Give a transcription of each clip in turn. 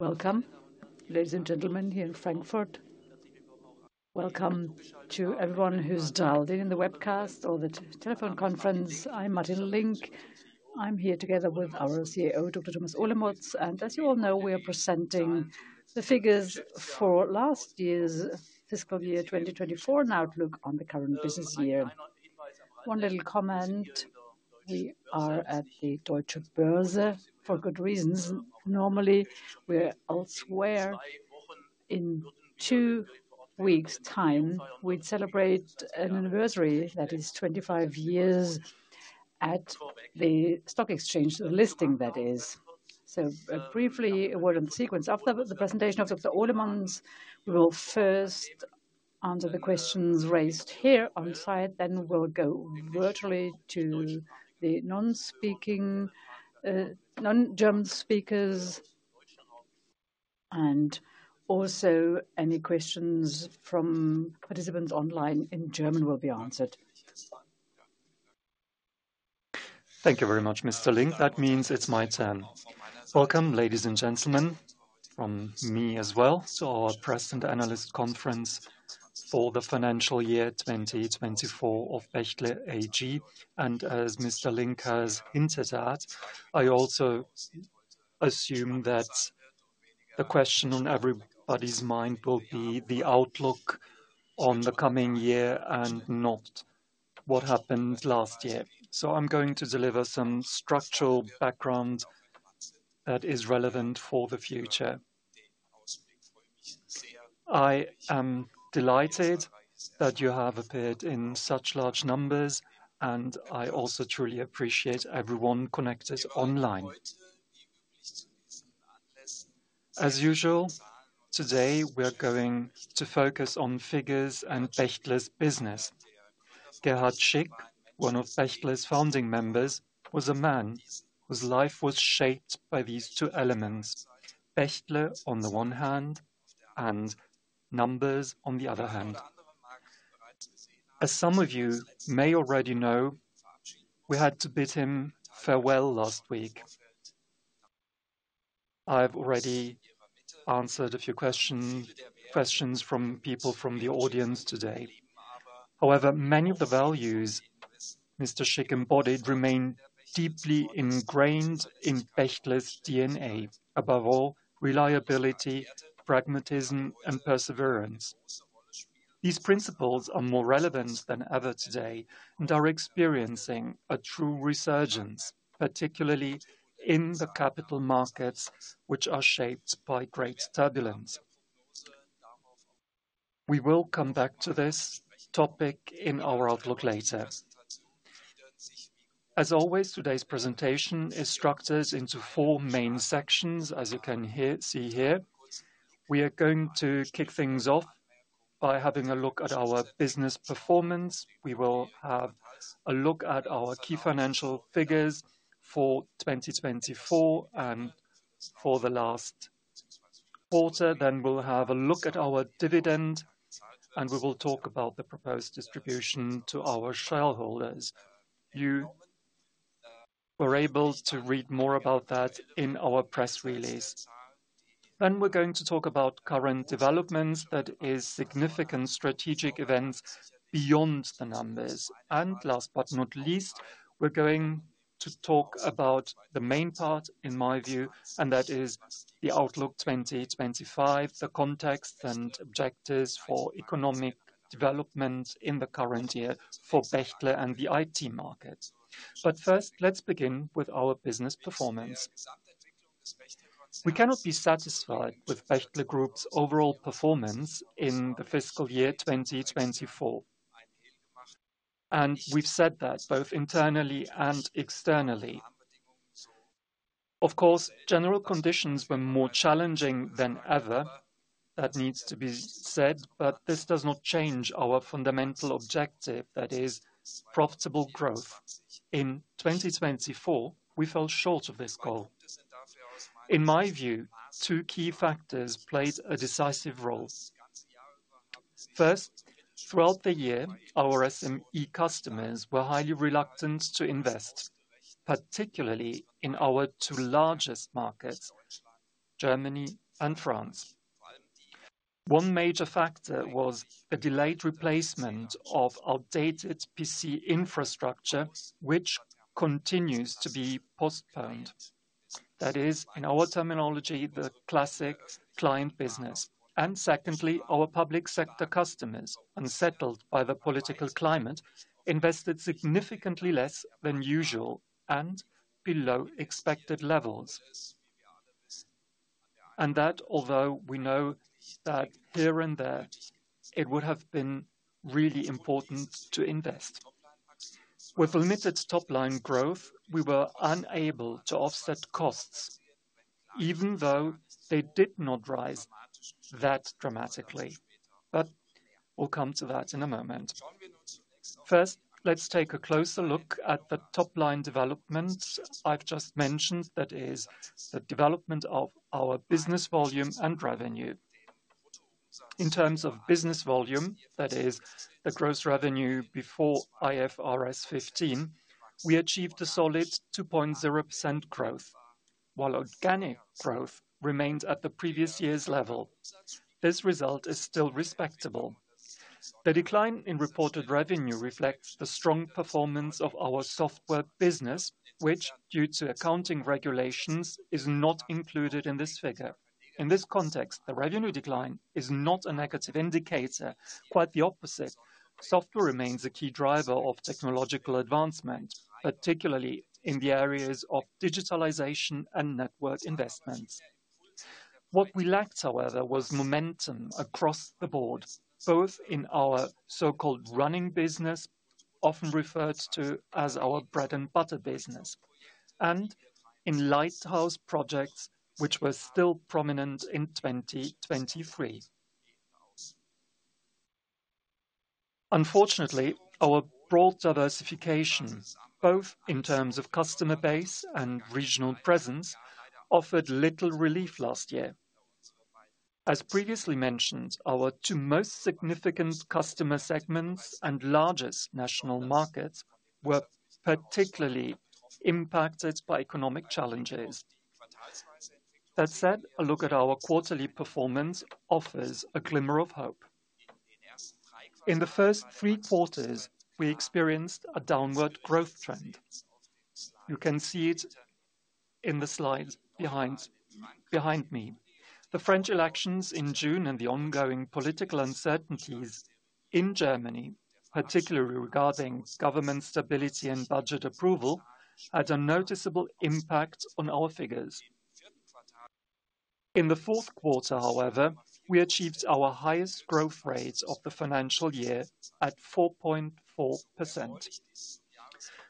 Welcome, ladies and gentlemen, here in Frankfurt. Welcome to everyone who's dialed in the webcast or the telephone conference. I'm Martin Link. I'm here together with our CEO, Dr. Thomas Olemotz, and as you all know, we are presenting the figures for last year's fiscal year 2024 and an outlook on the current business year. One little comment: we are at the Deutsche Börse for good reasons. Normally, we're elsewhere. In two weeks' time, we celebrate an anniversary—that is, 25 years—at the stock exchange, the listing, that is. Briefly, a word on the sequence. After the presentation of Dr. Olemotz, we will first answer the questions raised here on site, then we'll go virtually to the non-speaking, non-German speakers, and also any questions from participants online in German will be answered. Thank you very much, Mr. Link. That means it's my turn. Welcome, ladies and gentlemen, from me as well to our press and analyst conference for the financial year 2024 of Bechtle AG. As Mr. Link has hinted at, I also assume that the question on everybody's mind will be the outlook on the coming year and not what happened last year. I am going to deliver some structural background that is relevant for the future. I am delighted that you have appeared in such large numbers, and I also truly appreciate everyone connected online. As usual, today we're going to focus on figures and Bechtle's business. Gerhard Schick, one of Bechtle's founding members, was a man whose life was shaped by these two elements: Bechtle on the one hand and numbers on the other hand. As some of you may already know, we had to bid him farewell last week. I've already answered a few questions from people from the audience today. However, many of the values Mr. Schick embodied remain deeply ingrained in Bechtle's DNA. Above all, reliability, pragmatism, and perseverance. These principles are more relevant than ever today and are experiencing a true resurgence, particularly in the capital markets, which are shaped by great turbulence. We will come back to this topic in our outlook later. As always, today's presentation is structured into four main sections, as you can see here. We are going to kick things off by having a look at our business performance. We will have a look at our key financial figures for 2024 and for the last quarter. Then we'll have a look at our dividend, and we will talk about the proposed distribution to our shareholders. You were able to read more about that in our press release. We are going to talk about current developments. That is, significant strategic events beyond the numbers. Last but not least, we are going to talk about the main part, in my view, and that is the outlook 2025, the context and objectives for economic development in the current year for Bechtle and the IT market. First, let's begin with our business performance. We cannot be satisfied with Bechtle Group's overall performance in the fiscal year 2024, and we've said that both internally and externally. Of course, general conditions were more challenging than ever. That needs to be said, but this does not change our fundamental objective, that is, profitable growth. In 2024, we fell short of this goal. In my view, two key factors played a decisive role. First, throughout the year, our SME customers were highly reluctant to invest, particularly in our two largest markets, Germany and France. One major factor was the delayed replacement of outdated PC infrastructure, which continues to be postponed. That is, in our terminology, the classic client business. Secondly, our public sector customers, unsettled by the political climate, invested significantly less than usual and below expected levels. That, although we know that here and there, it would have been really important to invest. With limited top-line growth, we were unable to offset costs, even though they did not rise that dramatically. We will come to that in a moment. First, let's take a closer look at the top-line development I have just mentioned. That is, the development of our business volume and revenue. In terms of business volume, that is, the gross revenue before IFRS 15, we achieved a solid 2.0% growth, while organic growth remained at the previous year's level. This result is still respectable. The decline in reported revenue reflects the strong performance of our software business, which, due to accounting regulations, is not included in this figure. In this context, the revenue decline is not a negative indicator. Quite the opposite. Software remains a key driver of technological advancement, particularly in the areas of digitalization and network investments. What we lacked, however, was momentum across the board, both in our so-called running business, often referred to as our bread-and-butter business, and in lighthouse projects, which were still prominent in 2023. Unfortunately, our broad diversification, both in terms of customer base and regional presence, offered little relief last year. As previously mentioned, our two most significant customer segments and largest national markets were particularly impacted by economic challenges. That said, a look at our quarterly performance offers a glimmer of hope. In the first three quarters, we experienced a downward growth trend. You can see it in the slides behind me. The French elections in June and the ongoing political uncertainties in Germany, particularly regarding government stability and budget approval, had a noticeable impact on our figures. In the fourth quarter, however, we achieved our highest growth rate of the financial year at 4.4%.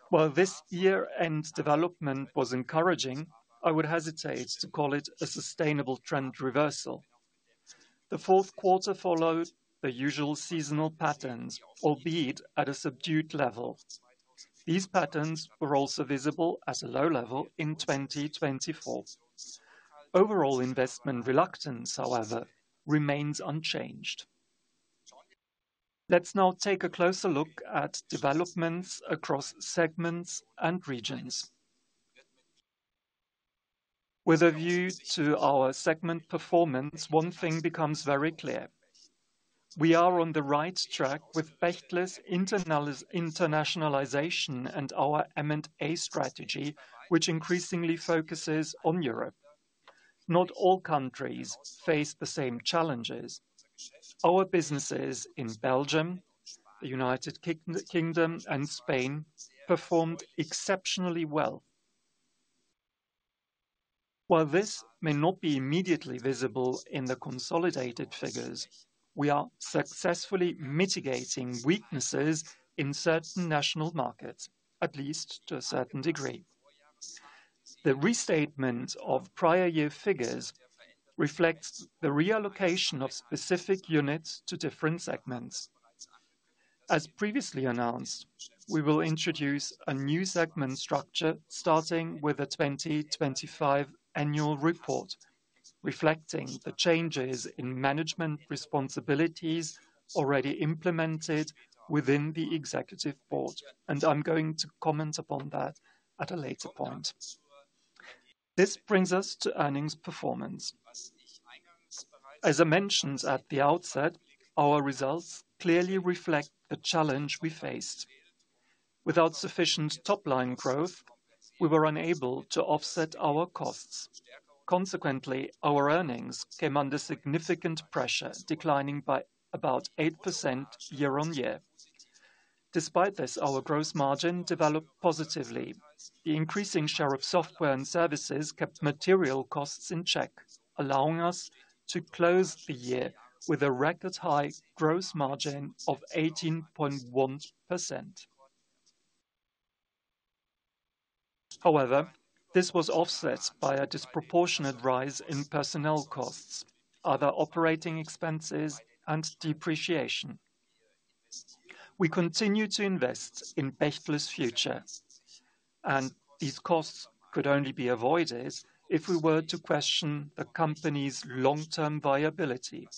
While this year-end development was encouraging, I would hesitate to call it a sustainable trend reversal. The fourth quarter followed the usual seasonal patterns, albeit at a subdued level. These patterns were also visible at a low level in 2024. Overall investment reluctance, however, remains unchanged. Let's now take a closer look at developments across segments and regions. With a view to our segment performance, one thing becomes very clear. We are on the right track with Bechtle's internationalization and our M&A strategy, which increasingly focuses on Europe. Not all countries face the same challenges. Our businesses in Belgium, the U.K., and Spain performed exceptionally well. While this may not be immediately visible in the consolidated figures, we are successfully mitigating weaknesses in certain national markets, at least to a certain degree. The restatement of prior year figures reflects the reallocation of specific units to different segments. As previously announced, we will introduce a new segment structure starting with the 2025 annual report, reflecting the changes in management responsibilities already implemented within the Executive Board. I'm going to comment upon that at a later point. This brings us to earnings performance. As I mentioned at the outset, our results clearly reflect the challenge we faced. Without sufficient top-line growth, we were unable to offset our costs. Consequently, our earnings came under significant pressure, declining by about 8% year on year. Despite this, our gross margin developed positively. The increasing share of software and services kept material costs in check, allowing us to close the year with a record-high gross margin of 18.1%. However, this was offset by a disproportionate rise in personnel costs, other operating expenses, and depreciation. We continue to invest in Bechtle's future, and these costs could only be avoided if we were to question the company's long-term viability.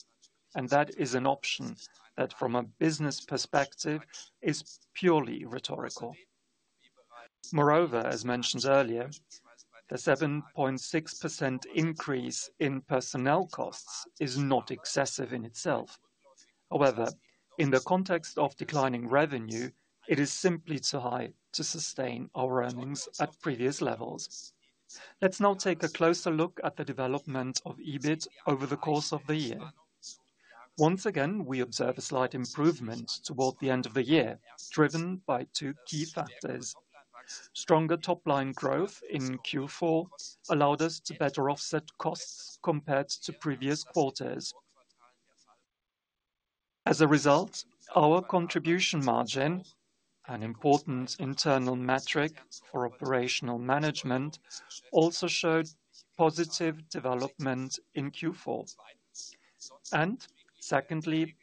That is an option that, from a business perspective, is purely rhetorical. Moreover, as mentioned earlier, the 7.6% increase in personnel costs is not excessive in itself. However, in the context of declining revenue, it is simply too high to sustain our earnings at previous levels. Let's now take a closer look at the development of EBIT over the course of the year. Once again, we observe a slight improvement toward the end of the year, driven by two key factors. Stronger top-line growth in Q4 allowed us to better offset costs compared to previous quarters. As a result, our contribution margin, an important internal metric for operational management, also showed positive development in Q4. Secondly,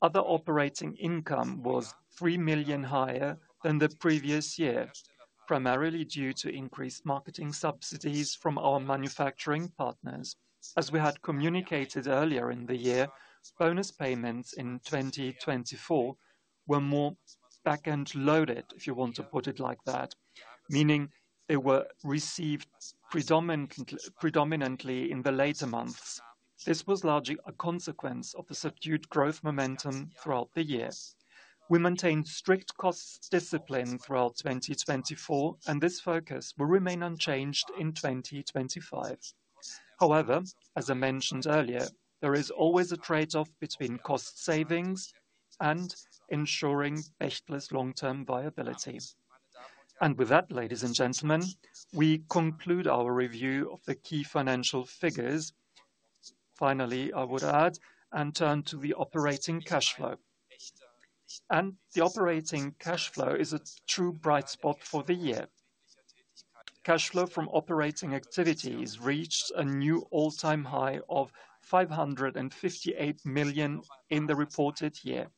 other operating income was 3 million higher than the previous year, primarily due to increased marketing subsidies from our manufacturing partners. As we had communicated earlier in the year, bonus payments in 2024 were more back-end loaded, if you want to put it like that, meaning they were received predominantly in the later months. This was largely a consequence of the subdued growth momentum throughout the year. We maintained strict cost discipline throughout 2024, and this focus will remain unchanged in 2025. However, as I mentioned earlier, there is always a trade-off between cost savings and ensuring Bechtle's long-term viability. With that, ladies and gentlemen, we conclude our review of the key financial figures. Finally, I would add and turn to the operating cash flow. The operating cash flow is a true bright spot for the year. Cash flow from operating activities reached a new all-time high of 558 million in the reported year.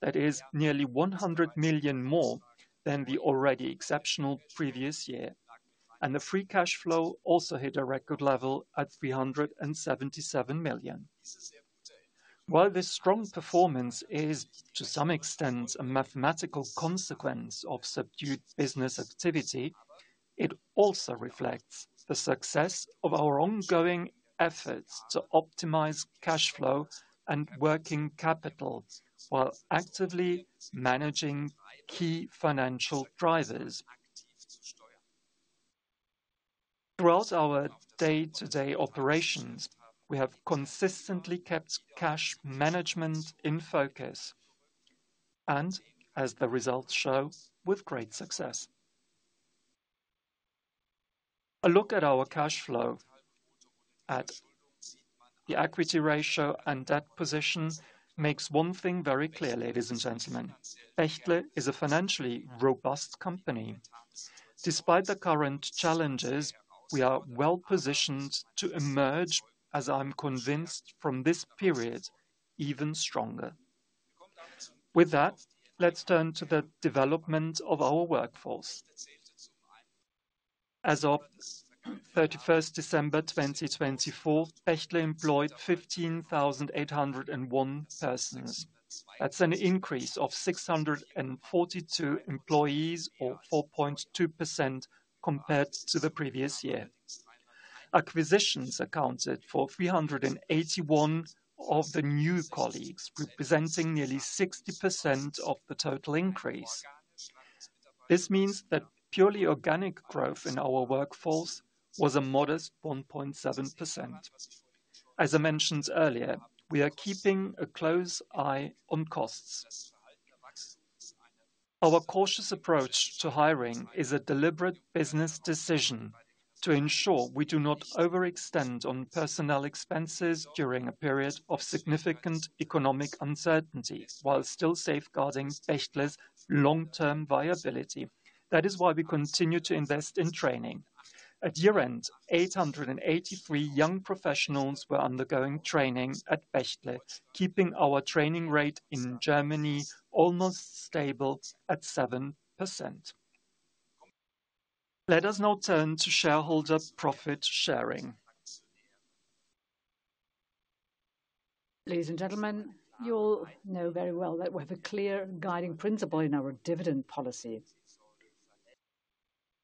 That is nearly 100 million more than the already exceptional previous year. The free cash flow also hit a record level at 377 million. While this strong performance is, to some extent, a mathematical consequence of subdued business activity, it also reflects the success of our ongoing efforts to optimize cash flow and working capital while actively managing key financial drivers. Throughout our day-to-day operations, we have consistently kept cash management in focus and, as the results show, with great success. A look at our cash flow, at the equity ratio and debt position, makes one thing very clear, ladies and gentlemen. Bechtle is a financially robust company. Despite the current challenges, we are well positioned to emerge, as I'm convinced from this period, even stronger. With that, let's turn to the development of our workforce. As of 31st December 2024, Bechtle employed 15,801 persons. That's an increase of 642 employees, or 4.2% compared to the previous year. Acquisitions accounted for 381 of the new colleagues, representing nearly 60% of the total increase. This means that purely organic growth in our workforce was a modest 1.7%. As I mentioned earlier, we are keeping a close eye on costs. Our cautious approach to hiring is a deliberate business decision to ensure we do not overextend on personnel expenses during a period of significant economic uncertainty while still safeguarding Bechtle's long-term viability. That is why we continue to invest in training. At year-end, 883 young professionals were undergoing training at Bechtle, keeping our training rate in Germany almost stable at 7%. Let us now turn to shareholder profit sharing. Ladies and gentlemen, you all know very well that we have a clear guiding principle in our dividend policy.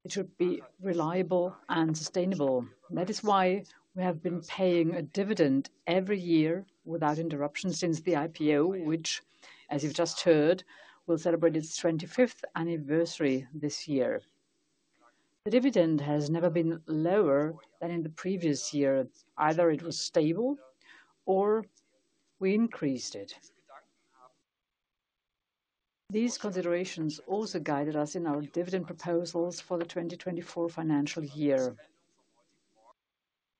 It should be reliable and sustainable. That is why we have been paying a dividend every year without interruption since the IPO, which, as you've just heard, will celebrate its 25th anniversary this year. The dividend has never been lower than in the previous year. Either it was stable or we increased it. These considerations also guided us in our dividend proposals for the 2024 financial year.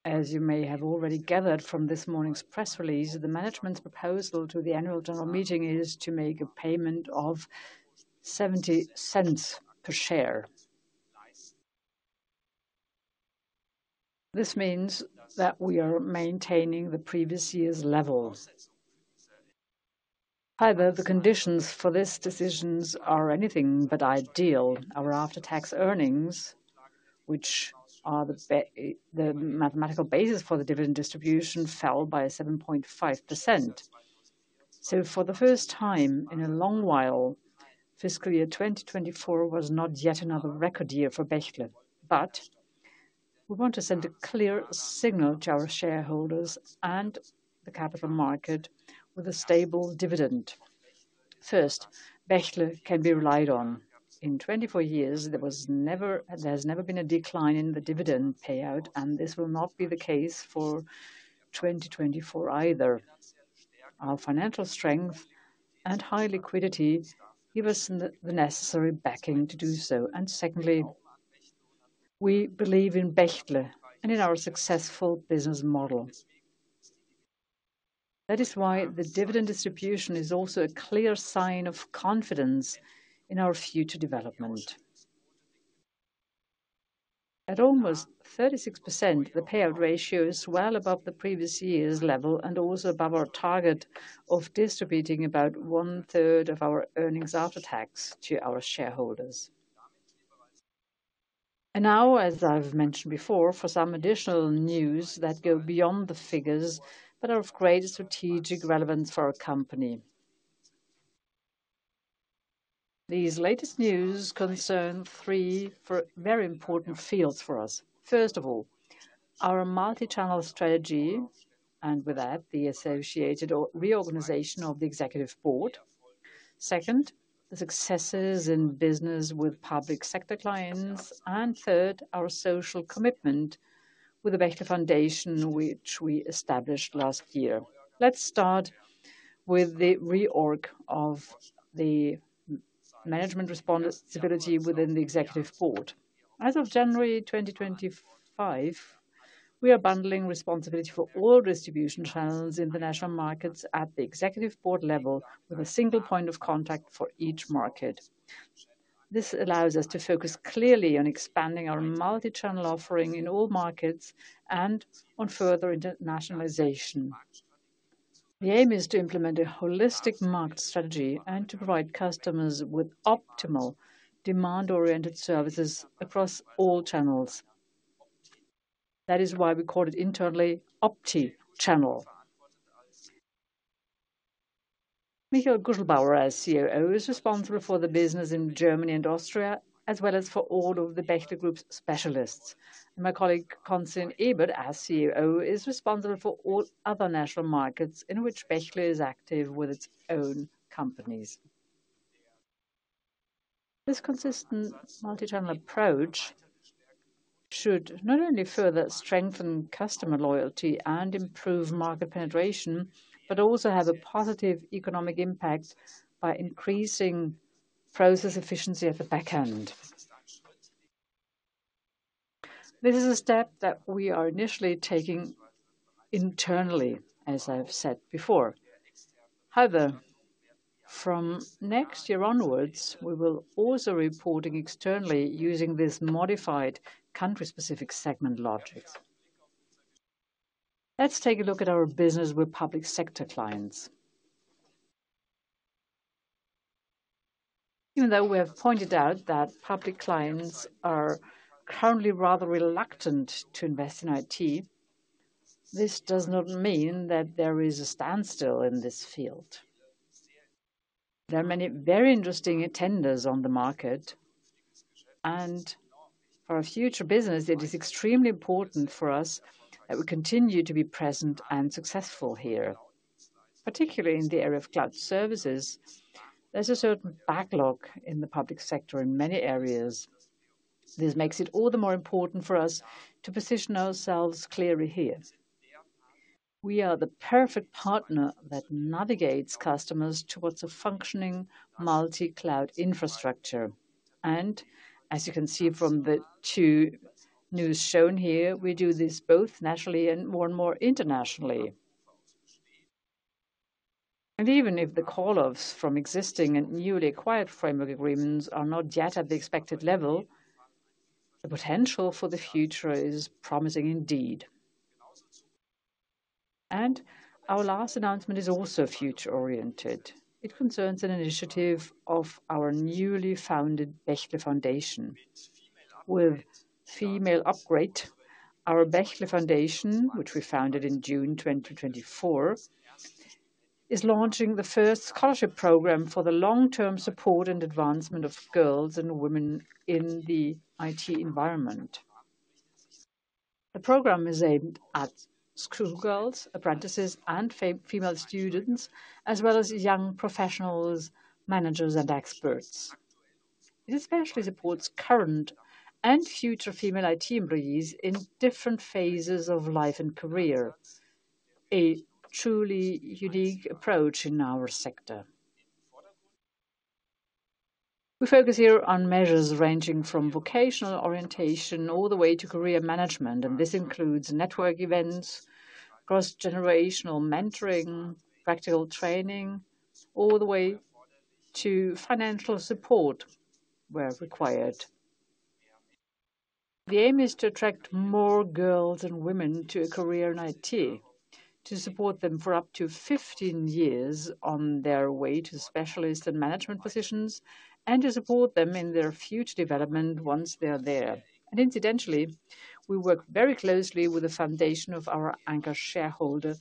As you may have already gathered from this morning's press release, the management's proposal to the annual general meeting is to make a payment of 0.70 per share. This means that we are maintaining the previous year's level. However, the conditions for this decision are anything but ideal. Our after-tax earnings, which are the mathematical basis for the dividend distribution, fell by 7.5%. For the first time in a long while, fiscal year 2024 was not yet another record year for Bechtle. We want to send a clear signal to our shareholders and the capital market with a stable dividend. First, Bechtle can be relied on. In 24 years, there has never been a decline in the dividend payout, and this will not be the case for 2024 either. Our financial strength and high liquidity give us the necessary backing to do so. Secondly, we believe in Bechtle and in our successful business model. That is why the dividend distribution is also a clear sign of confidence in our future development. At almost 36%, the payout ratio is well above the previous year's level and also above our target of distributing about one-third of our earnings after tax to our shareholders. Now, as I've mentioned before, for some additional news that go beyond the figures but are of greater strategic relevance for our company. These latest news concern three very important fields for us. First of all, our multi-channel strategy, and with that, the associated reorganization of the Executive Board. Second, the successes in business with public sector clients. Third, our social commitment with the Bechtle Foundation, which we established last year. Let's start with the reorg of the management responsibility within the Executive Board. As of January 2025, we are bundling responsibility for all distribution channels in the national markets at the Executive Board level with a single point of contact for each market. This allows us to focus clearly on expanding our multi-channel offering in all markets and on further internationalization. The aim is to implement a holistic market strategy and to provide customers with optimal demand-oriented services across all channels. That is why we call it internally OptiChannel. Michael Guschlbauer, as COO, is responsible for the business in Germany and Austria, as well as for all of the Bechtle Group's specialists. My colleague Konstantin Ebert, as COO, is responsible for all other national markets in which Bechtle is active with its own companies. This consistent multi-channel approach should not only further strengthen customer loyalty and improve market penetration, but also have a positive economic impact by increasing process efficiency at the back end. This is a step that we are initially taking internally, as I have said before. However, from next year onwards, we will also be reporting externally using this modified country-specific segment logic. Let's take a look at our business with public sector clients. Even though we have pointed out that public clients are currently rather reluctant to invest in IT, this does not mean that there is a standstill in this field. There are many very interesting tenders on the market, and for our future business, it is extremely important for us that we continue to be present and successful here, particularly in the area of cloud services. There is a certain backlog in the public sector in many areas. This makes it all the more important for us to position ourselves clearly here. We are the perfect partner that navigates customers towards a functioning multi-cloud infrastructure. As you can see from the two news shown here, we do this both nationally and more and more internationally. Even if the call-offs from existing and newly acquired framework agreements are not yet at the expected level, the potential for the future is promising indeed. Our last announcement is also future-oriented. It concerns an initiative of our newly founded Bechtle Foundation. With Female Upgrade, our Bechtle Foundation, which we founded in June 2024, is launching the first scholarship program for the long-term support and advancement of girls and women in the IT environment. The program is aimed at schoolgirls, apprentices, and female students, as well as young professionals, managers, and experts. It especially supports current and future female IT employees in different phases of life and career. A truly unique approach in our sector. We focus here on measures ranging from vocational orientation all the way to career management, and this includes network events, cross-generational mentoring, practical training, all the way to financial support where required. The aim is to attract more girls and women to a career in IT, to support them for up to 15 years on their way to specialist and management positions, and to support them in their future development once they're there. Incidentally, we work very closely with the foundation of our anchor shareholder,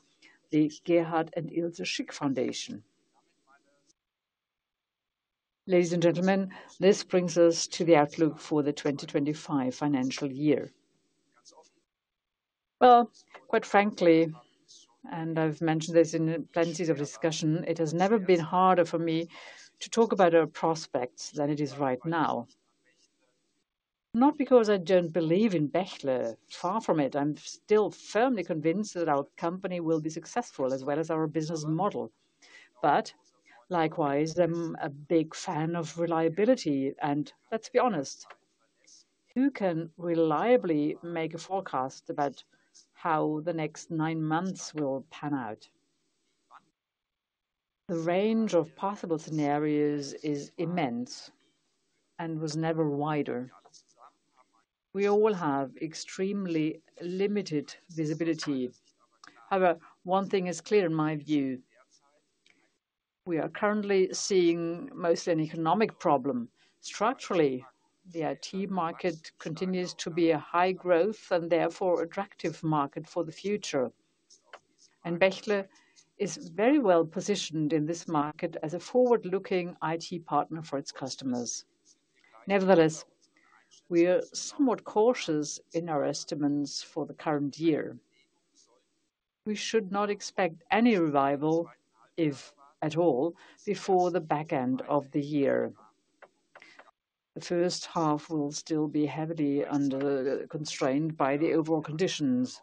the Gerhard and Ilse Schick Foundation. Ladies and gentlemen, this brings us to the outlook for the 2025 financial year. Quite frankly, and I've mentioned this in plenty of discussion, it has never been harder for me to talk about our prospects than it is right now. Not because I don't believe in Bechtle, far from it. I'm still firmly convinced that our company will be successful as well as our business model. Likewise, I'm a big fan of reliability, and let's be honest, who can reliably make a forecast about how the next nine months will pan out? The range of possible scenarios is immense and was never wider. We all have extremely limited visibility. However, one thing is clear in my view. We are currently seeing mostly an economic problem. Structurally, the IT market continues to be a high-growth and therefore attractive market for the future. Bechtle is very well positioned in this market as a forward-looking IT partner for its customers. Nevertheless, we are somewhat cautious in our estimates for the current year. We should not expect any revival, if at all, before the back end of the year. The first half will still be heavily constrained by the overall conditions.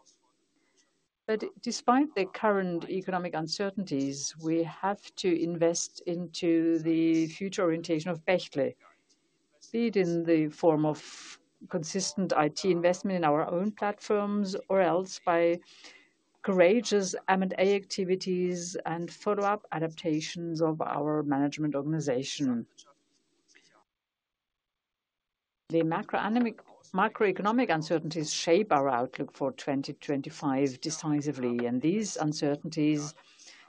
Despite the current economic uncertainties, we have to invest into the future orientation of Bechtle, be it in the form of consistent IT investment in our own platforms or else by courageous M&A activities and follow-up adaptations of our management organization. The macroeconomic uncertainties shape our outlook for 2025 decisively, and these uncertainties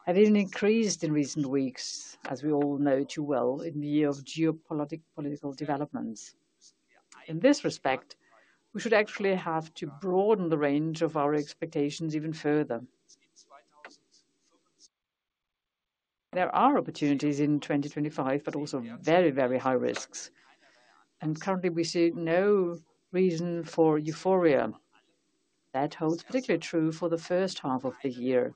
have even increased in recent weeks, as we all know too well, in the year of geopolitical developments. In this respect, we should actually have to broaden the range of our expectations even further. There are opportunities in 2025, but also very, very high risks. Currently, we see no reason for euphoria. That holds particularly true for the first half of the year.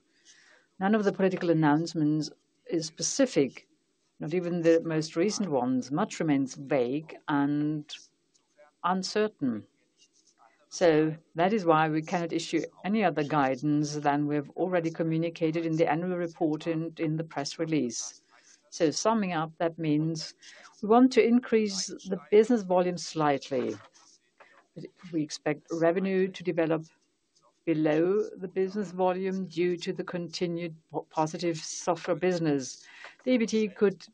None of the political announcements is specific, not even the most recent ones. Much remains vague and uncertain. That is why we cannot issue any other guidance than we have already communicated in the annual report and in the press release. Summing up, that means we want to increase the business volume slightly. We expect revenue to develop below the business volume due to the continued positive software business. The EBT could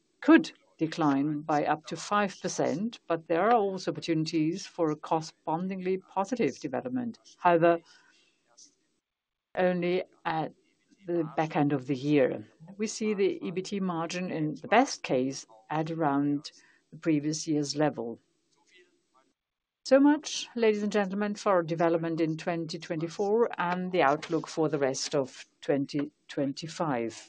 decline by up to 5%, but there are also opportunities for a correspondingly positive development. However, only at the back end of the year. We see the EBT margin in the best case at around the previous year's level. Ladies and gentlemen, that is our development in 2024 and the outlook for the rest of 2025.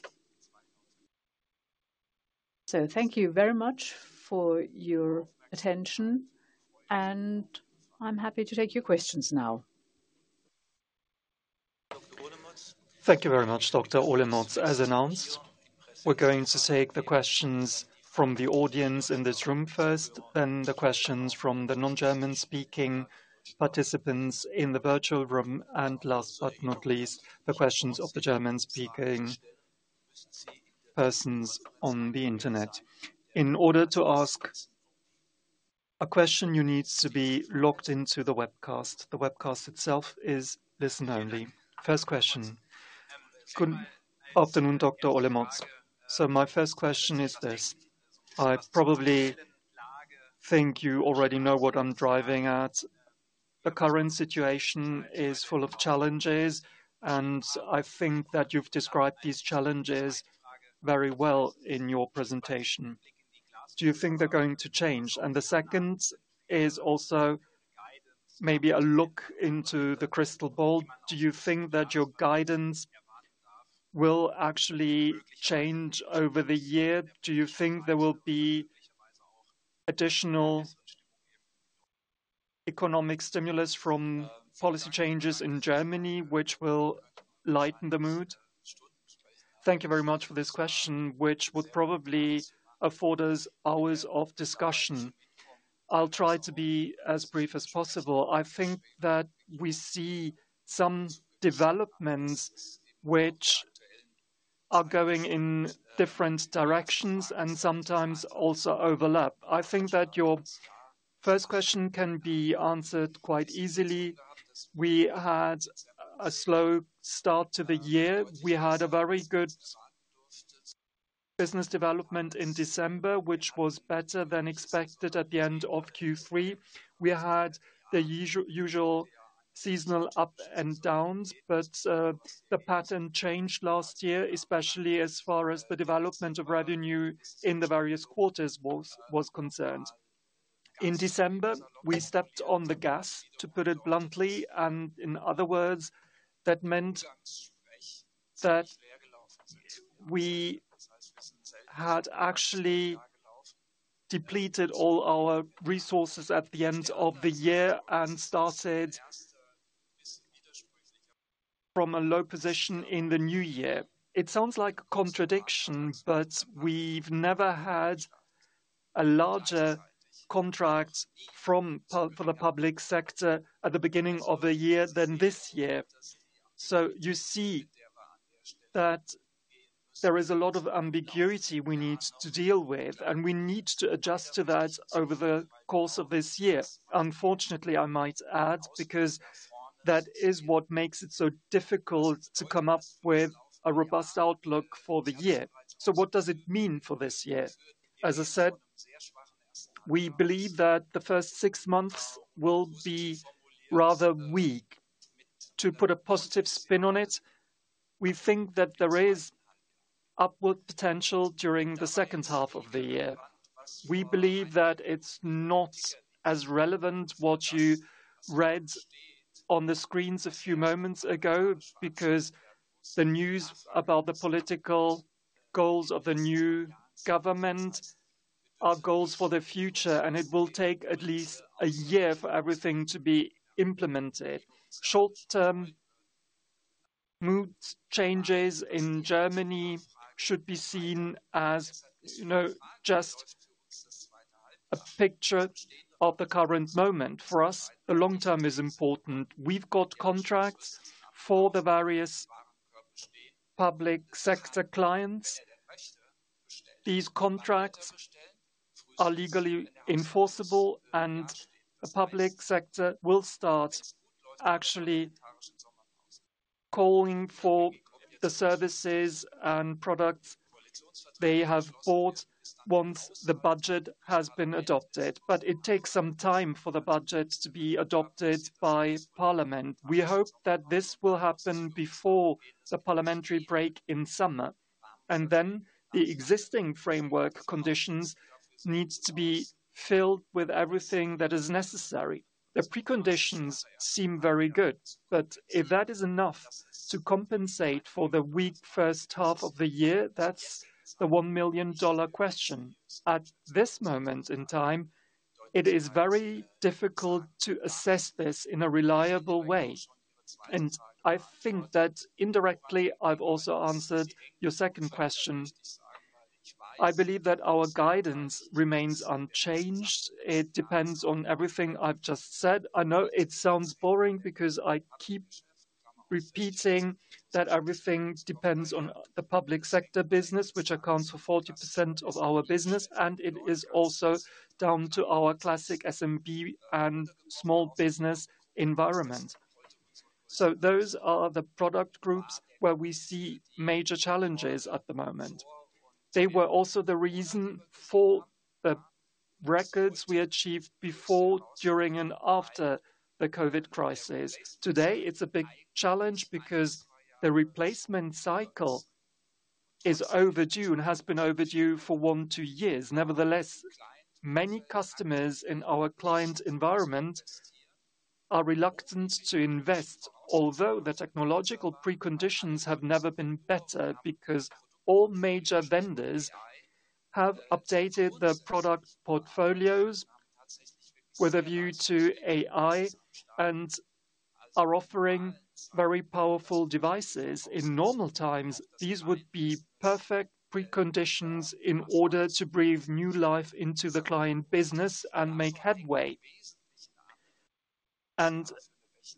Thank you very much for your attention, and I'm happy to take your questions now. Thank you very much, Dr. Olemotz. As announced, we are going to take the questions from the audience in this room first, then the questions from the non-German speaking participants in the virtual room, and last but not least, the questions of the German-speaking persons on the internet. In order to ask a question, you need to be logged into the webcast. The webcast itself is listen-only. First question. Good afternoon, Dr. Olemotz. My first question is this: I probably think you already know what I'm driving at. The current situation is full of challenges, and I think that you've described these challenges very well in your presentation. Do you think they're going to change? The second is also maybe a look into the crystal ball. Do you think that your guidance will actually change over the year? Do you think there will be additional economic stimulus from policy changes in Germany, which will lighten the mood? Thank you very much for this question, which would probably afford us hours of discussion. I'll try to be as brief as possible. I think that we see some developments which are going in different directions and sometimes also overlap. I think that your first question can be answered quite easily. We had a slow start to the year. We had a very good business development in December, which was better than expected at the end of Q3. We had the usual seasonal up and downs, but the pattern changed last year, especially as far as the development of revenue in the various quarters was concerned. In December, we stepped on the gas, to put it bluntly, and in other words, that meant that we had actually depleted all our resources at the end of the year and started from a low position in the new year. It sounds like a contradiction, but we've never had a larger contract for the public sector at the beginning of the year than this year. You see that there is a lot of ambiguity we need to deal with, and we need to adjust to that over the course of this year. Unfortunately, I might add, because that is what makes it so difficult to come up with a robust outlook for the year. What does it mean for this year? As I said, we believe that the first six months will be rather weak. To put a positive spin on it, we think that there is upward potential during the second half of the year. We believe that it is not as relevant what you read on the screens a few moments ago, because the news about the political goals of the new government are goals for the future, and it will take at least a year for everything to be implemented. Short-term mood changes in Germany should be seen as just a picture of the current moment. For us, the long term is important. We've got contracts for the various public sector clients. These contracts are legally enforceable, and the public sector will start actually calling for the services and products they have bought once the budget has been adopted. It takes some time for the budget to be adopted by Parliament. We hope that this will happen before the parliamentary break in summer, and then the existing framework conditions need to be filled with everything that is necessary. The preconditions seem very good, but if that is enough to compensate for the weak first half of the year, that's the one million dollar question. At this moment in time, it is very difficult to assess this in a reliable way. I think that indirectly, I've also answered your second question. I believe that our guidance remains unchanged. It depends on everything I've just said. I know it sounds boring because I keep repeating that everything depends on the public sector business, which accounts for 40% of our business, and it is also down to our classic SMB and small business environment. Those are the product groups where we see major challenges at the moment. They were also the reason for the records we achieved before, during, and after the COVID crisis. Today, it's a big challenge because the replacement cycle is overdue and has been overdue for one to two years. Nevertheless, many customers in our client environment are reluctant to invest, although the technological preconditions have never been better because all major vendors have updated their product portfolios with a view to AI and are offering very powerful devices. In normal times, these would be perfect preconditions in order to breathe new life into the client business and make headway.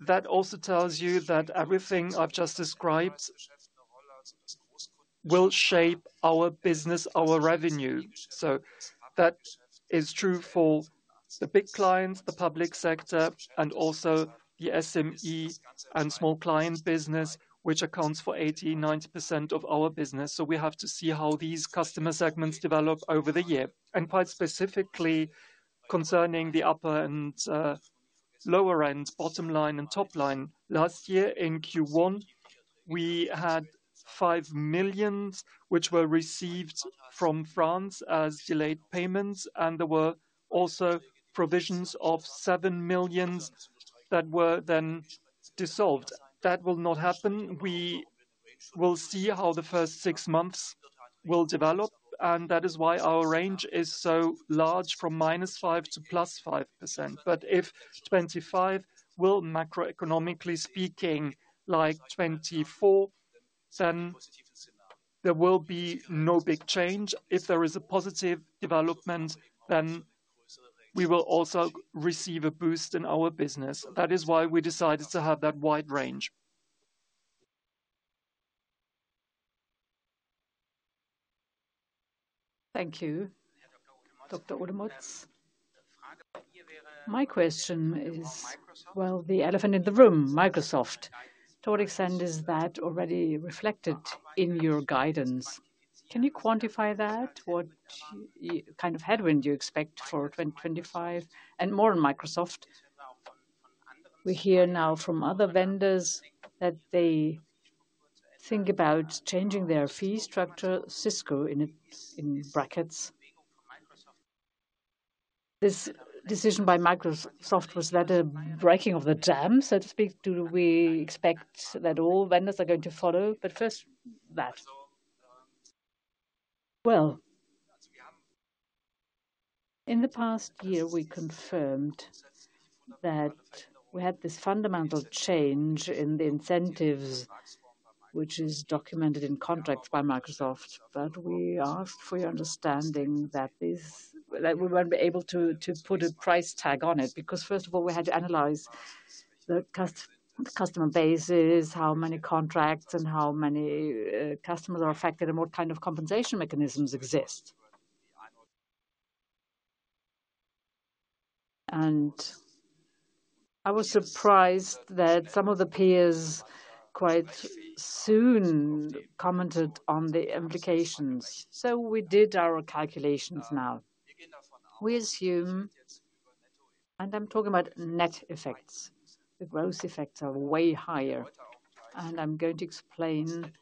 That also tells you that everything I've just described will shape our business, our revenue. That is true for the big clients, the public sector, and also the SME and small client business, which accounts for 80-90% of our business. We have to see how these customer segments develop over the year. Quite specifically concerning the upper and lower end, bottom line and top line. Last year in Q1, we had 5 million which were received from France as delayed payments, and there were also provisions of 7 million that were then dissolved. That will not happen. We will see how the first six months will develop, and that is why our range is so large, from -5% to +5%. If 2025 will, macroeconomically speaking, be like 2024, then there will be no big change. If there is a positive development, then we will also receive a boost in our business. That is why we decided to have that wide range. Thank you, Dr. Olemotz. My question is, well, the elephant in the room, Microsoft. To what extent is that already reflected in your guidance? Can you quantify that? What kind of headwind do you expect for 2025? More on Microsoft. We hear now from other vendors that they think about changing their fee structure, Cisco in brackets. This decision by Microsoft, was that a breaking of the jam, so to speak? Do we expect that all vendors are going to follow? First, that. In the past year, we confirmed that we had this fundamental change in the incentives, which is documented in contracts by Microsoft. We ask for your understanding that we won't be able to put a price tag on it, because first of all, we had to analyze the customer bases, how many contracts and how many customers are affected and what kind of compensation mechanisms exist. I was surprised that some of the peers quite soon commented on the implications. We did our calculations now. We assume, and I'm talking about net effects. The gross effects are way higher, and I'm going to explain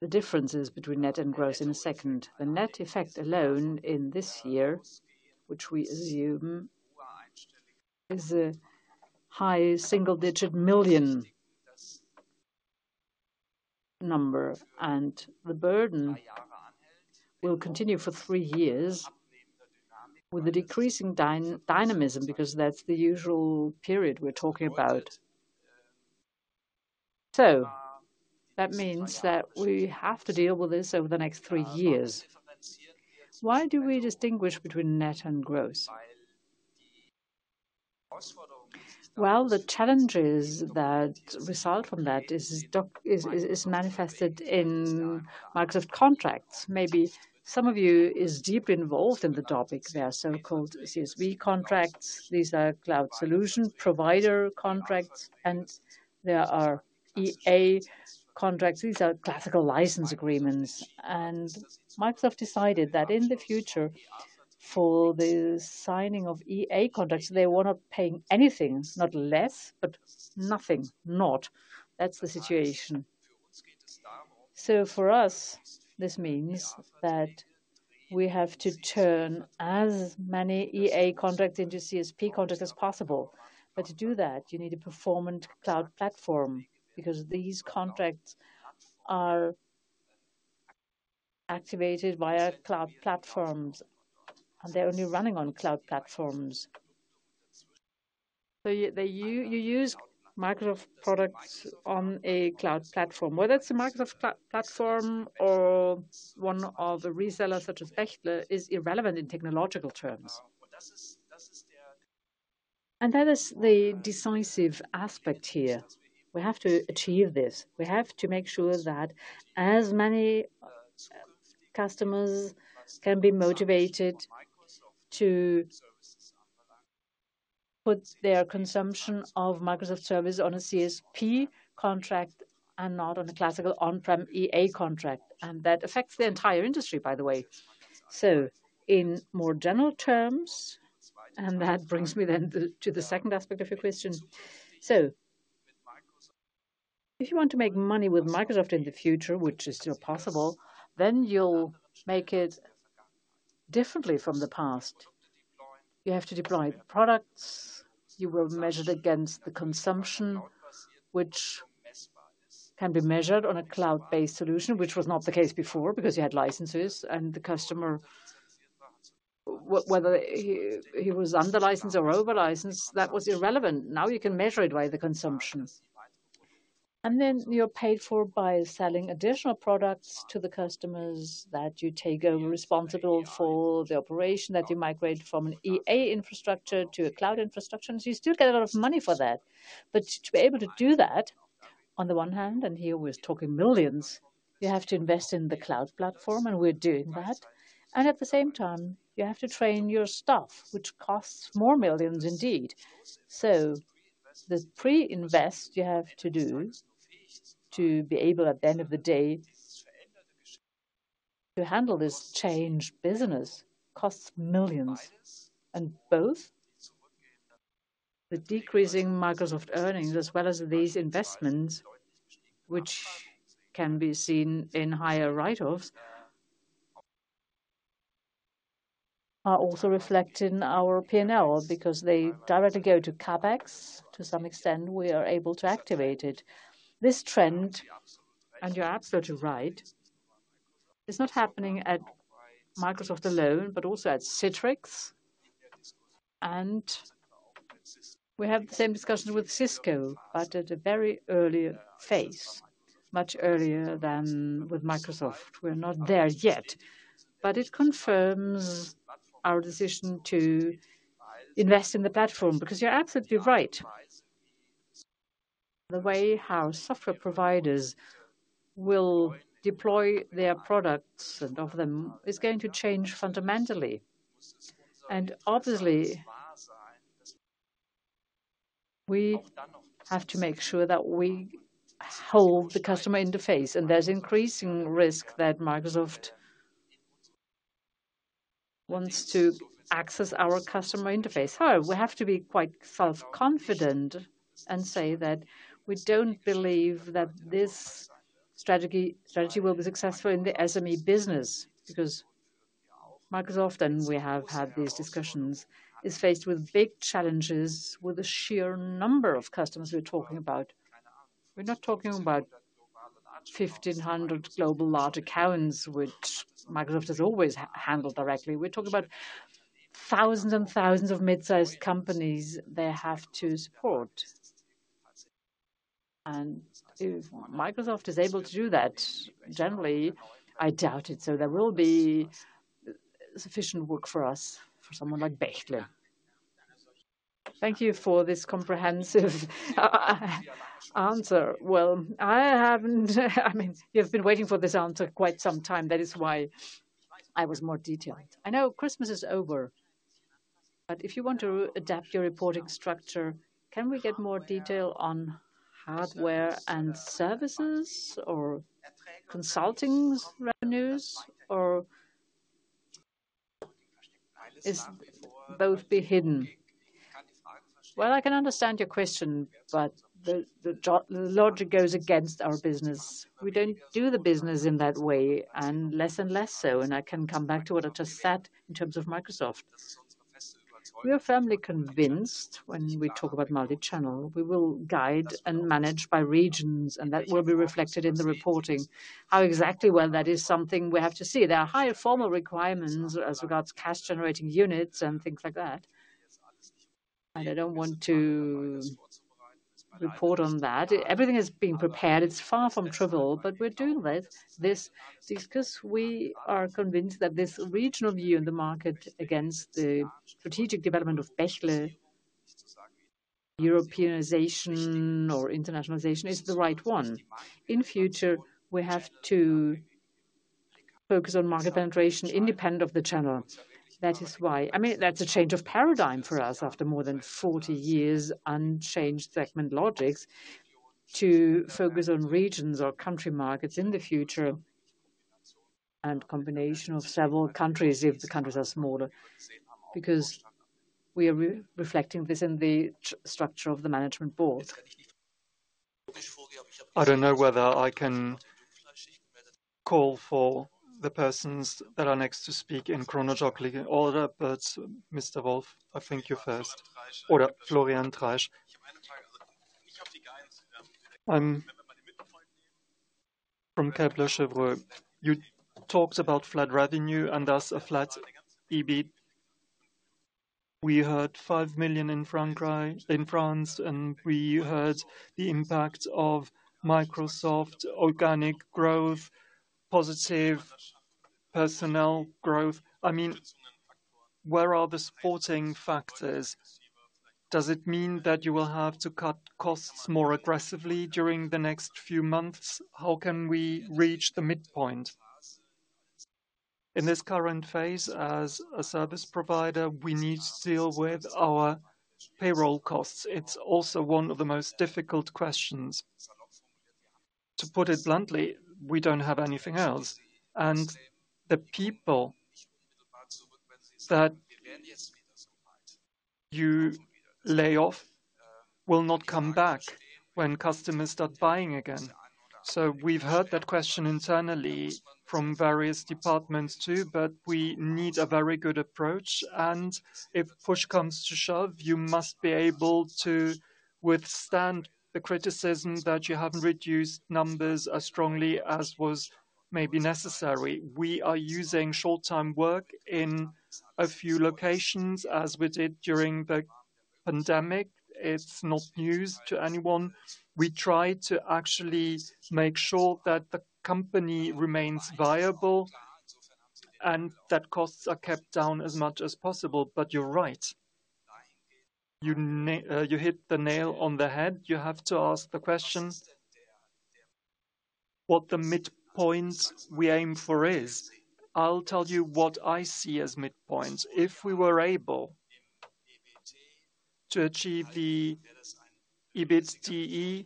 the differences between net and gross in a second. The net effect alone in this year, which we assume, is a high single-digit million number, and the burden will continue for three years with a decreasing dynamism, because that's the usual period we're talking about. That means that we have to deal with this over the next three years. Why do we distinguish between net and gross? The challenges that result from that is manifested in Microsoft contracts. Maybe some of you are deeply involved in the topic. There are so-called CSP contracts. These are cloud solution provider contracts, and there are EA contracts. These are classical license agreements. Microsoft decided that in the future, for the signing of EA contracts, they will not pay anything, not less, but nothing, not. That is the situation. For us, this means that we have to turn as many EA contracts into CSP contracts as possible. To do that, you need a performant cloud platform, because these contracts are activated via cloud platforms, and they are only running on cloud platforms. You use Microsoft products on a cloud platform. Whether it is a Microsoft platform or one of a reseller such as Bechtle is irrelevant in technological terms. That is the decisive aspect here. We have to achieve this. We have to make sure that as many customers can be motivated to put their consumption of Microsoft services on a CSP contract and not on a classical on-prem EA contract. That affects the entire industry, by the way. In more general terms, that brings me then to the second aspect of your question. If you want to make money with Microsoft in the future, which is still possible, then you'll make it differently from the past. You have to deploy products. You will measure it against the consumption, which can be measured on a cloud-based solution, which was not the case before, because you had licenses and the customer, whether he was under license or over license, that was irrelevant. Now you can measure it by the consumption. You're paid for by selling additional products to the customers that you take over responsible for the operation, that you migrate from an EA infrastructure to a cloud infrastructure. You still get a lot of money for that. To be able to do that, on the one hand, and here we're talking millions, you have to invest in the cloud platform, and we're doing that. At the same time, you have to train your staff, which costs more millions indeed. The pre-invest you have to do to be able, at the end of the day, to handle this change business costs millions. Both the decreasing Microsoft earnings as well as these investments, which can be seen in higher write-offs, are also reflected in our P&L, because they directly go to CapEx. To some extent, we are able to activate it. This trend, and you're absolutely right, is not happening at Microsoft alone, but also at Citrix. We have the same discussion with Cisco, but at a very early phase, much earlier than with Microsoft. We're not there yet. It confirms our decision to invest in the platform, because you're absolutely right. The way how software providers will deploy their products and of them is going to change fundamentally. Obviously, we have to make sure that we hold the customer interface. There's increasing risk that Microsoft wants to access our customer interface. However, we have to be quite self-confident and say that we don't believe that this strategy will be successful in the SME business, because Microsoft, and we have had these discussions, is faced with big challenges with a sheer number of customers we're talking about. We're not talking about 1,500 global large accounts, which Microsoft has always handled directly. We're talking about thousands and thousands of mid-sized companies they have to support. If Microsoft is able to do that, generally, I doubt it. There will be sufficient work for us, for someone like Bechtle. Thank you for this comprehensive answer. I haven't, I mean, you've been waiting for this answer quite some time. That is why I was more detailed. I know Christmas is over. If you want to adapt your reporting structure, can we get more detail on hardware and services or consulting revenues, or will both be hidden? I can understand your question, but the logic goes against our business. We don't do the business in that way, and less and less so. I can come back to what I just said in terms of Microsoft. We are firmly convinced when we talk about multi-channel, we will guide and manage by regions, and that will be reflected in the reporting. How exactly, well, that is something we have to see. There are higher formal requirements as regards cash-generating units and things like that. I do not want to report on that. Everything has been prepared. It is far from trivial, but we are doing this. It is because we are convinced that this regional view in the market against the strategic development of Bechtle, Europeanization or internationalization, is the right one. In future, we have to focus on market penetration independent of the channel. That is why, I mean, that's a change of paradigm for us after more than 40 years unchanged segment logics to focus on regions or country markets in the future and combination of several countries if the countries are smaller, because we are reflecting this in the structure of the management board. I don't know whether I can call for the persons that are next to speak in chronologic order, but Mr. Wolf, I think you first. Or Florian Treisch. I'm from Kepler Cheuvreux. You talked about flat revenue and thus a flat EBIT. We heard 5 million in France, and we heard the impact of Microsoft organic growth, positive personnel growth. I mean, where are the supporting factors? Does it mean that you will have to cut costs more aggressively during the next few months? How can we reach the midpoint? In this current phase, as a service provider, we need to deal with our payroll costs. It's also one of the most difficult questions. To put it bluntly, we don't have anything else. The people that you lay off will not come back when customers start buying again. We've heard that question internally from various departments too, but we need a very good approach. If push comes to shove, you must be able to withstand the criticism that you haven't reduced numbers as strongly as was maybe necessary. We are using short-term work in a few locations as we did during the pandemic. It's not news to anyone. We try to actually make sure that the company remains viable and that costs are kept down as much as possible. You're right. You hit the nail on the head. You have to ask the question what the midpoint we aim for is. I'll tell you what I see as midpoint. If we were able to achieve the EBITDA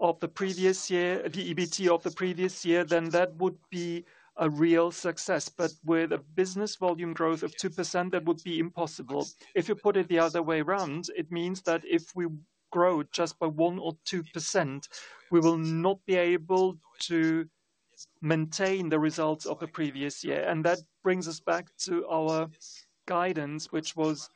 of the previous year, the EBIT of the previous year, then that would be a real success. With a business volume growth of 2%, that would be impossible. If you put it the other way around, it means that if we grow just by 1% or 2%, we will not be able to maintain the results of the previous year. That brings us back to our guidance, which was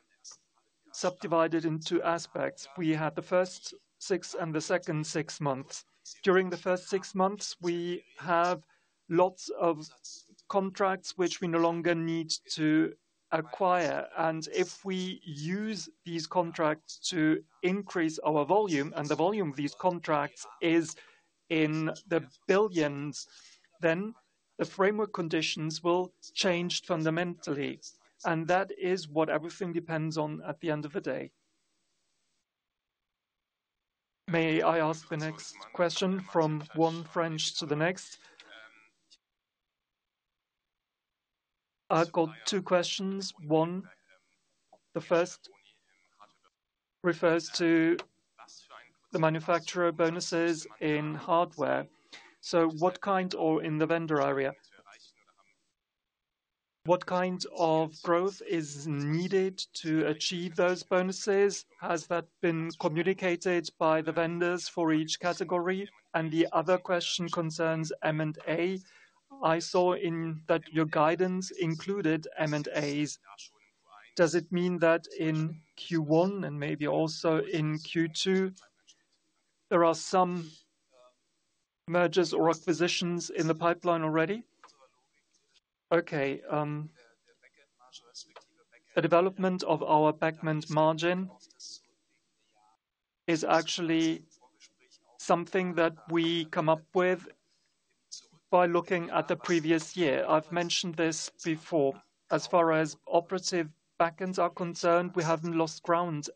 subdivided into aspects. We had the first six and the second six months. During the first six months, we have lots of contracts which we no longer need to acquire. If we use these contracts to increase our volume, and the volume of these contracts is in the billions, the framework conditions will change fundamentally. That is what everything depends on at the end of the day. May I ask the next question from one French to the next? I've got two questions. One, the first refers to the manufacturer bonuses in hardware. What kind, or in the vendor area, what kind of growth is needed to achieve those bonuses? Has that been communicated by the vendors for each category? The other question concerns M&A. I saw in that your guidance included M&As. Does it mean that in Q1 and maybe also in Q2, there are some mergers or acquisitions in the pipeline already? Okay. The development of our backend margin is actually something that we come up with by looking at the previous year. I've mentioned this before. As far as operative backends are concerned, we haven't lost ground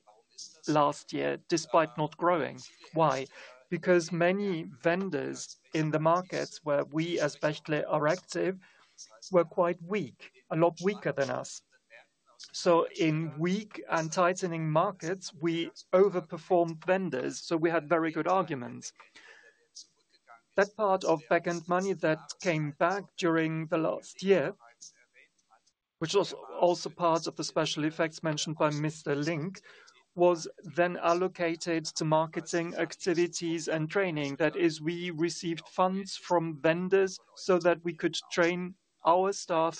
last year despite not growing. Why? Because many vendors in the markets where we as Bechtle are active were quite weak, a lot weaker than us. In weak and tightening markets, we overperformed vendors. We had very good arguments. That part of backend money that came back during the last year, which was also part of the special effects mentioned by Mr. Link, was then allocated to marketing activities and training. That is, we received funds from vendors so that we could train our staff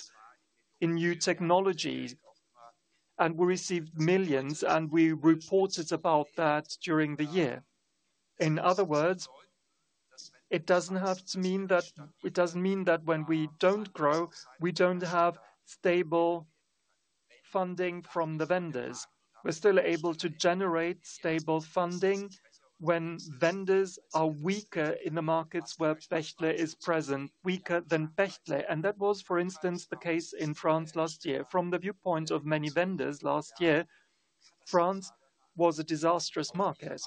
in new technologies. We received millions, and we reported about that during the year. In other words, it doesn't have to mean that it doesn't mean that when we don't grow, we don't have stable funding from the vendors. We're still able to generate stable funding when vendors are weaker in the markets where Bechtle is present, weaker than Bechtle. That was, for instance, the case in France last year. From the viewpoint of many vendors last year, France was a disastrous market.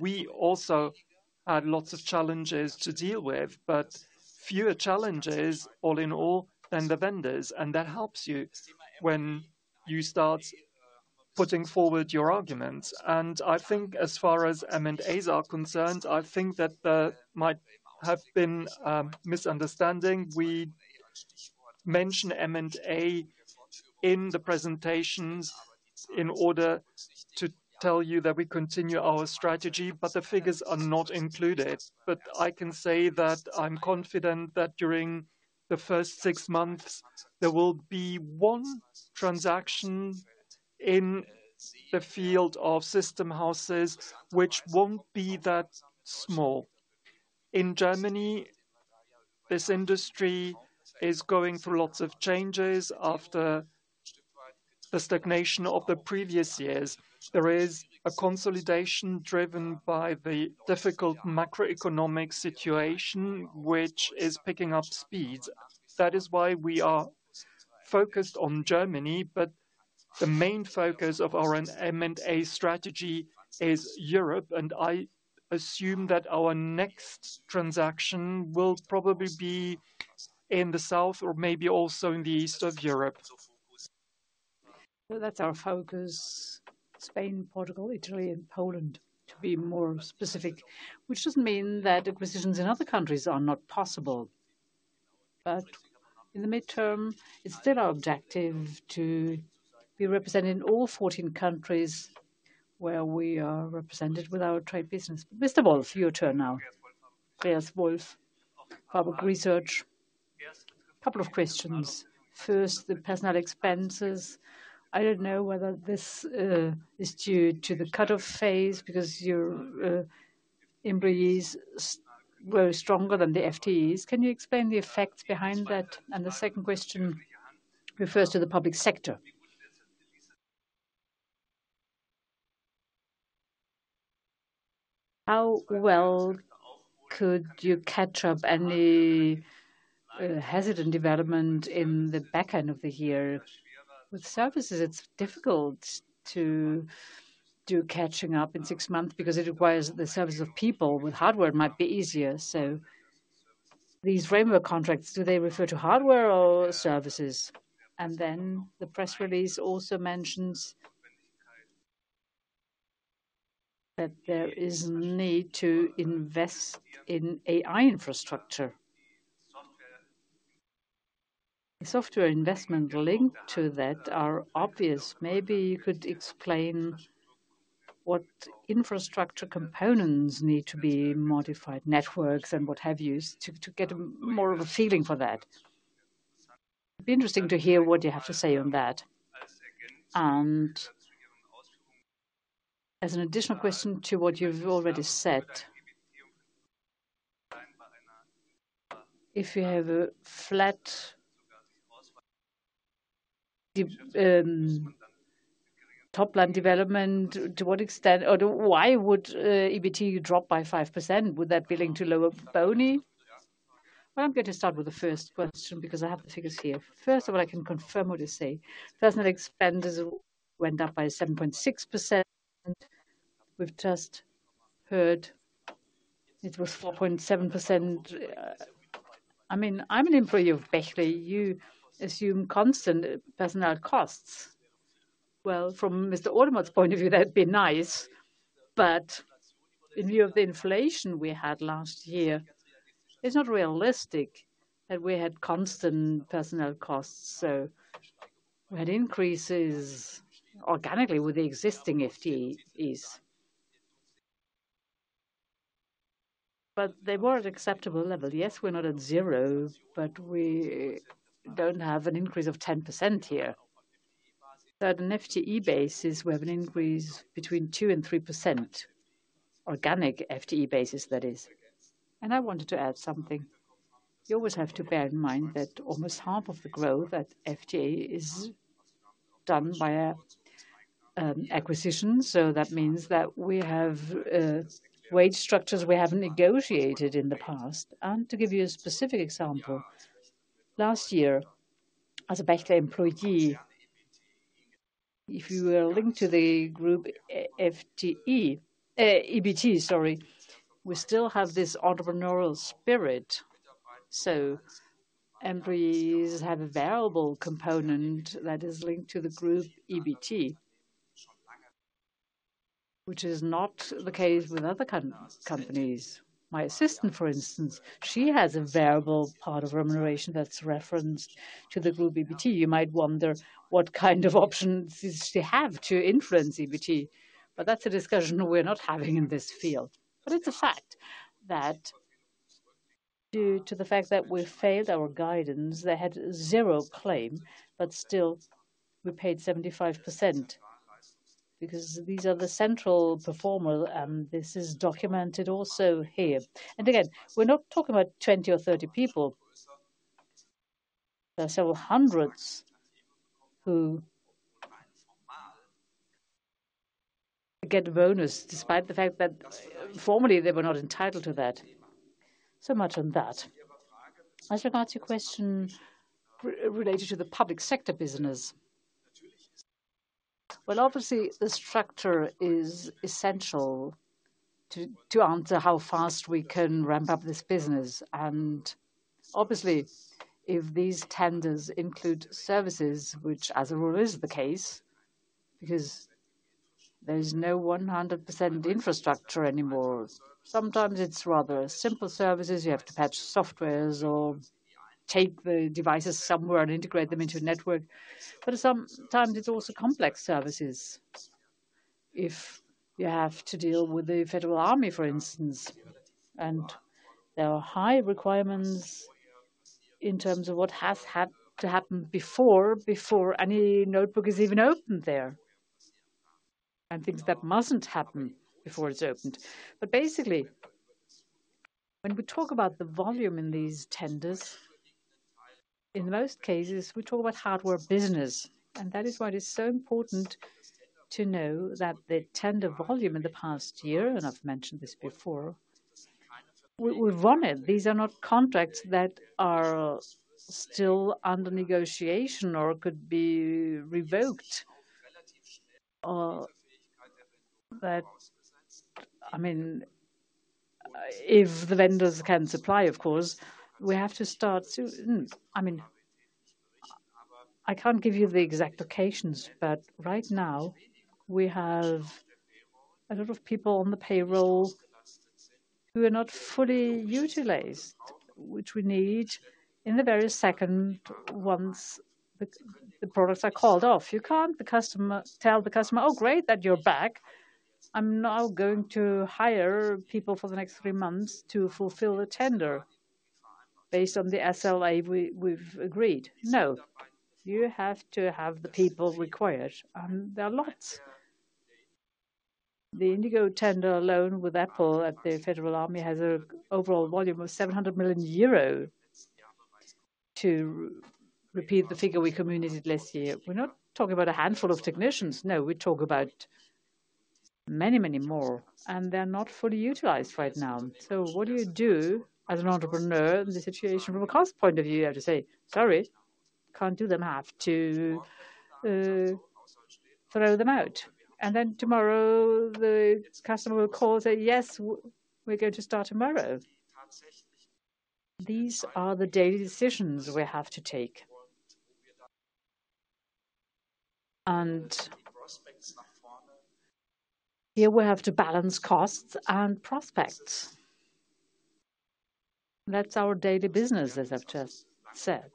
We also had lots of challenges to deal with, but fewer challenges all in all than the vendors. That helps you when you start putting forward your arguments. I think as far as M&As are concerned, I think that there might have been a misunderstanding. We mention M&A in the presentations in order to tell you that we continue our strategy, but the figures are not included. I can say that I'm confident that during the first six months, there will be one transaction in the field of system houses, which won't be that small. In Germany, this industry is going through lots of changes after the stagnation of the previous years. There is a consolidation driven by the difficult macroeconomic situation, which is picking up speed. That is why we are focused on Germany. The main focus of our M&A strategy is Europe. I assume that our next transaction will probably be in the south or maybe also in the east of Europe. That is our focus: Spain, Portugal, Italy, and Poland, to be more specific, which does not mean that acquisitions in other countries are not possible. In the midterm, it is still our objective to be represented in all 14 countries where we are represented with our trade business. Mr. Wolf, your turn now. Andreas Wolf, Warburg Research. A couple of questions. First, the personal expenses. I don't know whether this is due to the cut-off phase because your employees were stronger than the FTEs. Can you explain the effects behind that? The second question refers to the public sector. How well could you catch up any hesitant development in the backend of the year? With services, it's difficult to do catching up in six months because it requires the service of people. With hardware, it might be easier. These framework contracts, do they refer to hardware or services? The press release also mentions that there is a need to invest in AI infrastructure. The software investment linked to that are obvious. Maybe you could explain what infrastructure components need to be modified, networks and what have you, to get more of a feeling for that. It'd be interesting to hear what you have to say on that. As an additional question to what you've already said, if you have a flat top-line development, to what extent or why would EBITDA drop by 5%? Would that be linked to lower boni? I'm going to start with the first question because I have the figures here. First of all, I can confirm what you say. Personnel expenditure went up by 7.6%. We've just heard it was 4.7%. I mean, I'm an employee of Bechtle. You assume constant personnel costs. From Mr. Olemotz's point of view, that'd be nice. In view of the inflation we had last year, it's not realistic that we had constant personnel costs. We had increases organically with the existing FTEs. They were at an acceptable level. Yes, we're not at zero, but we don't have an increase of 10% here. Certain FTE bases we have an increase between 2% and 3%, organic FTE bases, that is. I wanted to add something. You always have to bear in mind that almost half of the growth at FTE is done by acquisitions. That means that we have wage structures we have not negotiated in the past. To give you a specific example, last year as a Bechtle employee, if you were linked to the group EBIT, sorry, we still have this entrepreneurial spirit. Employees have a variable component that is linked to the group EBIT, which is not the case with other companies. My assistant, for instance, she has a variable part of remuneration that is referenced to the group EBIT. You might wonder what kind of options does she have to influence EBIT. That is a discussion we are not having in this field. It is a fact that due to the fact that we failed our guidance, they had zero claim, but still we paid 75% because these are the central performers, and this is documented also here. Again, we're not talking about 20 or 30 people. There are several hundreds who get a bonus despite the fact that formally they were not entitled to that. So much on that. As regards to your question related to the public sector business, obviously the structure is essential to answer how fast we can ramp up this business. Obviously, if these tenders include services, which as a rule is the case, because there is no 100% infrastructure anymore, sometimes it is rather simple services. You have to patch software or tape the devices somewhere and integrate them into a network. Sometimes it is also complex services. If you have to deal with the Federal Army, for instance, and there are high requirements in terms of what has to happen before any notebook is even opened there, and things that mustn't happen before it's opened. Basically, when we talk about the volume in these tenders, in most cases, we talk about hardware business. That is why it is so important to know that the tender volume in the past year, and I've mentioned this before, we've won it. These are not contracts that are still under negotiation or could be revoked. I mean, if the vendors can supply, of course, we have to start. I mean, I can't give you the exact locations, but right now we have a lot of people on the payroll who are not fully utilized, which we need in the very second once the products are called off. You can't tell the customer, "Oh, great that you're back. I'm now going to hire people for the next three months to fulfill the tender based on the SLA we've agreed." No. You have to have the people required. There are lots. The Indigo tender alone with Apple at the Federal Army has an overall volume of 700 million euro to repeat the figure we communicated last year. We're not talking about a handful of technicians. No, we talk about many, many more. They're not fully utilized right now. What do you do as an entrepreneur in the situation from a cost point of view? You have to say, "Sorry, can't do them. Have to throw them out." Tomorrow the customer will call and say, "Yes, we're going to start tomorrow." These are the daily decisions we have to take. Here we have to balance costs and prospects. That's our daily business, as I've just said.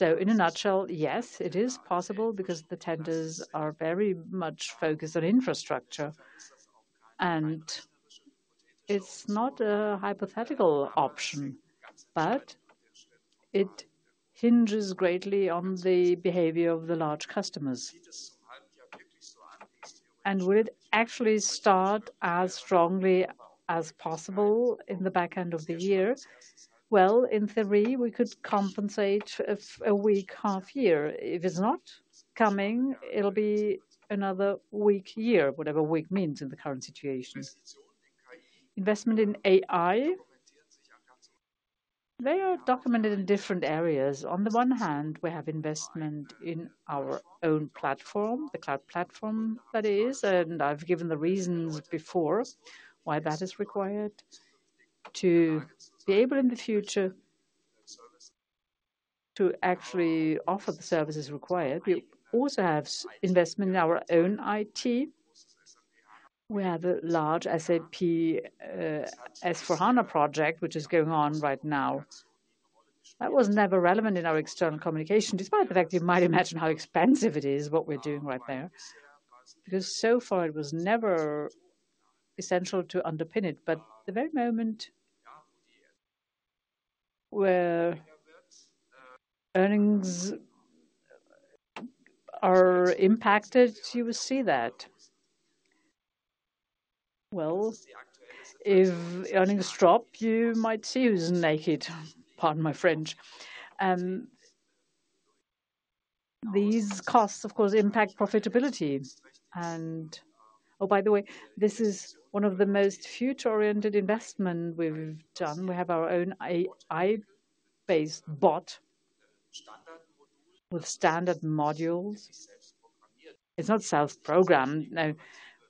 In a nutshell, yes, it is possible because the tenders are very much focused on infrastructure. It's not a hypothetical option, but it hinges greatly on the behavior of the large customers. Will it actually start as strongly as possible in the backend of the year? In theory, we could compensate a weak half year. If it's not coming, it'll be another weak year, whatever weak means in the current situation. Investment in AI, they are documented in different areas. On the one hand, we have investment in our own platform, the cloud platform that is. I've given the reasons before why that is required to be able in the future to actually offer the services required. We also have investment in our own IT. We have a large SAP S/4HANA project, which is going on right now. That was never relevant in our external communication, despite the fact that you might imagine how expensive it is, what we're doing right there. Because so far, it was never essential to underpin it. The very moment where earnings are impacted, you will see that. If earnings drop, you might see who's naked. Pardon my French. These costs, of course, impact profitability. Oh, by the way, this is one of the most future-oriented investments we've done. We have our own AI-based bot with standard modules. It's not self-programmed.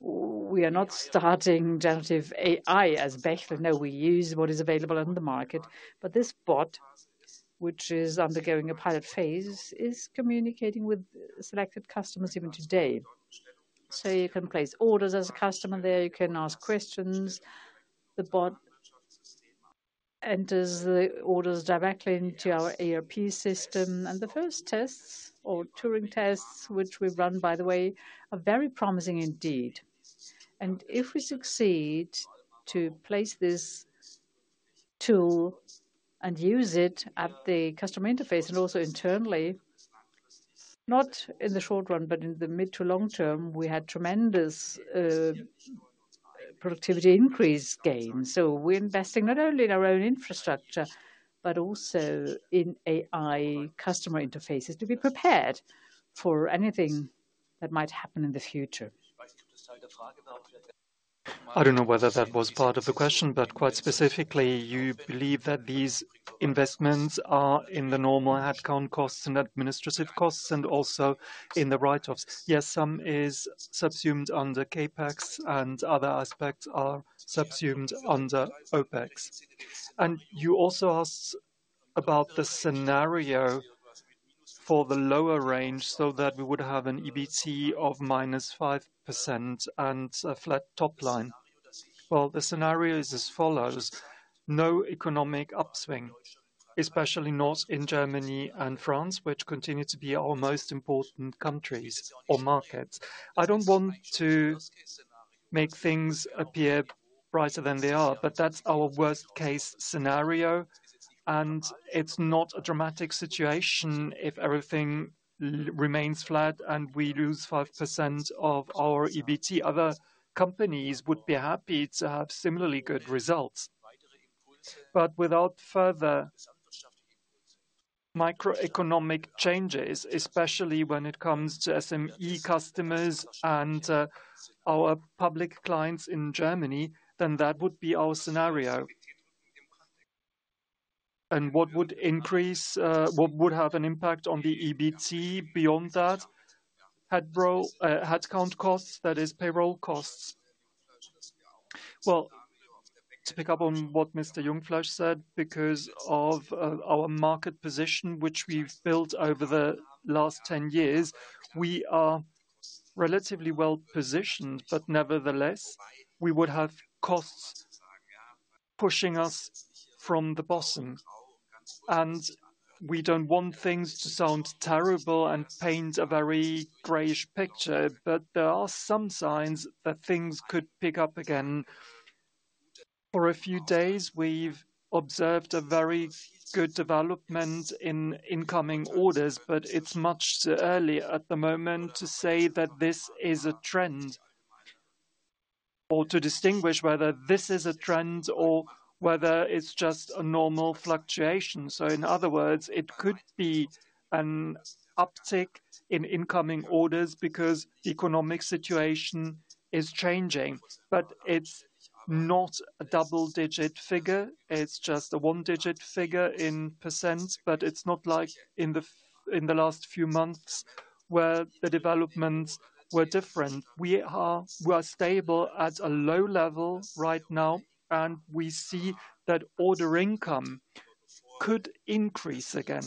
We are not starting generative AI as Bechtle. No, we use what is available on the market. This bot, which is undergoing a pilot phase, is communicating with selected customers even today. You can place orders as a customer there. You can ask questions. The bot enters the orders directly into our ERP system. The first tests or Turing tests, which we've run, by the way, are very promising indeed. If we succeed to place this tool and use it at the customer interface and also internally, not in the short run, but in the mid to long term, we had tremendous productivity increase gains. We are investing not only in our own infrastructure, but also in AI customer interfaces to be prepared for anything that might happen in the future. I don't know whether that was part of the question, but quite specifically, you believe that these investments are in the normal headcount costs and administrative costs and also in the right of. Yes, some is subsumed under CapEx, and other aspects are subsumed under OpEx. You also asked about the scenario for the lower range so that we would have an EBIT of -5% and a flat top line. The scenario is as follows: no economic upswing, especially not in Germany and France, which continue to be our most important countries or markets. I do not want to make things appear brighter than they are, but that is our worst-case scenario. It is not a dramatic situation if everything remains flat and we lose 5% of our EBIT. Other companies would be happy to have similarly good results. Without further macroeconomic changes, especially when it comes to SME customers and our public clients in Germany, that would be our scenario. What would have an impact on the EBIT beyond that? Headcount costs, that is, payroll costs. To pick up on what Mr. Jungfleisch said, because of our market position, which we've built over the last 10 years, we are relatively well positioned, but nevertheless, we would have costs pushing us from the bottom. We don't want things to sound terrible and paint a very grayish picture, but there are some signs that things could pick up again. For a few days, we've observed a very good development in incoming orders, but it's much too early at the moment to say that this is a trend or to distinguish whether this is a trend or whether it's just a normal fluctuation. In other words, it could be an uptick in incoming orders because the economic situation is changing. It's not a double-digit figure. It's just a one-digit figure in %, but it's not like in the last few months where the developments were different. We are stable at a low level right now, and we see that order income could increase again.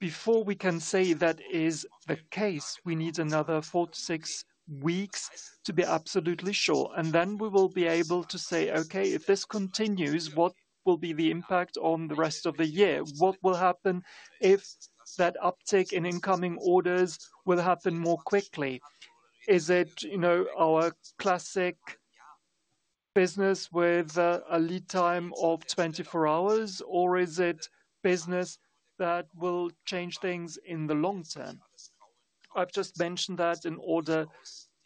Before we can say that is the case, we need another four to six weeks to be absolutely sure. We will be able to say, "Okay, if this continues, what will be the impact on the rest of the year? What will happen if that uptick in incoming orders will happen more quickly? Is it our classic business with a lead time of 24 hours, or is it business that will change things in the long term?" I have just mentioned that in order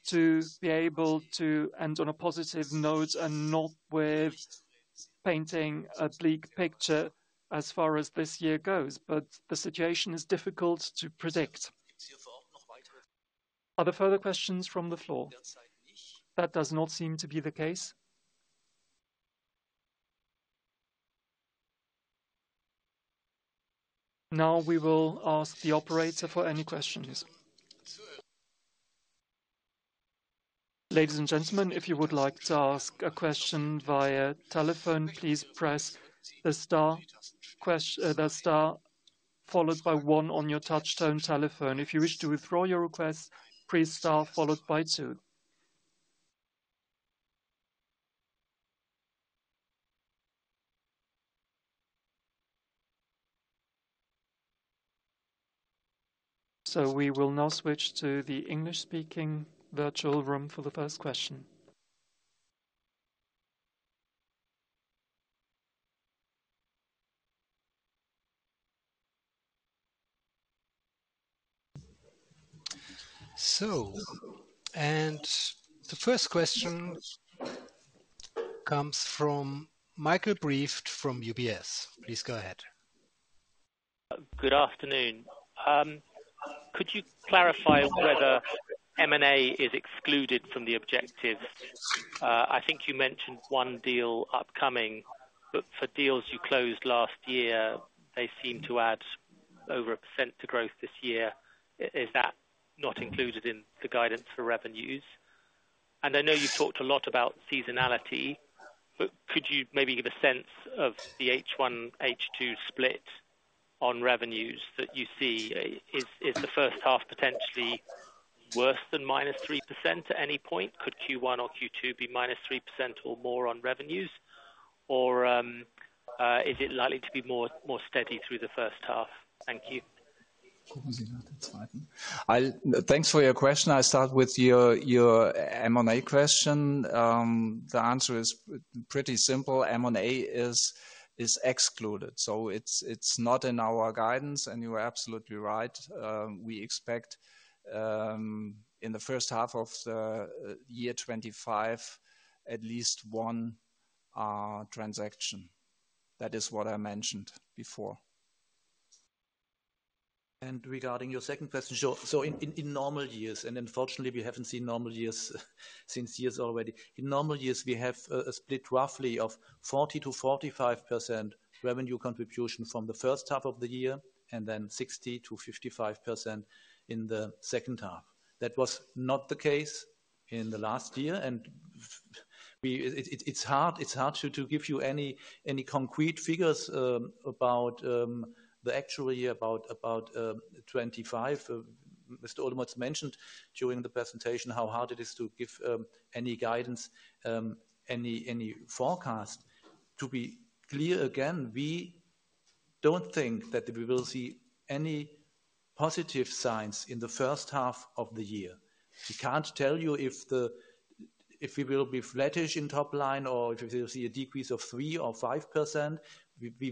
to be able to end on a positive note and not with painting a bleak picture as far as this year goes. The situation is difficult to predict. Are there further questions from the floor? That does not seem to be the case. Now we will ask the operator for any questions. Ladies and gentlemen, if you would like to ask a question via telephone, please press the star followed by one on your touch-tone telephone. If you wish to withdraw your request, press star followed by two. We will now switch to the English-speaking virtual room for the first question. The first question comes from Michael Briest from UBS. Please go ahead. Good afternoon. Could you clarify whether M&A is excluded from the objectives? I think you mentioned one deal upcoming, but for deals you closed last year, they seem to add over 1% to growth this year. Is that not included in the guidance for revenues? I know you've talked a lot about seasonality, but could you maybe give a sense of the H1, H2 split on revenues that you see? Is the first half potentially worse than -3% at any point? Could Q1 or Q2 be -3% or more on revenues, or is it likely to be more steady through the first half? Thank you. Thanks for your question. I start with your M&A question. The answer is pretty simple. M&A is excluded. So it is not in our guidance, and you are absolutely right. We expect in the first half of the year 2025, at least one transaction. That is what I mentioned before. Regarding your second question, in normal years, and unfortunately, we have not seen normal years since years already. In normal years, we have a split roughly of 40-45% revenue contribution from the first half of the year and then 60-55% in the second half. That was not the case in the last year. It is hard to give you any concrete figures about the actual year, about 2025. Mr. Olemotz mentioned during the presentation how hard it is to give any guidance, any forecast. To be clear again, we do not think that we will see any positive signs in the first half of the year. We cannot tell you if we will be flattish in top line or if we will see a decrease of 3% or 5%. We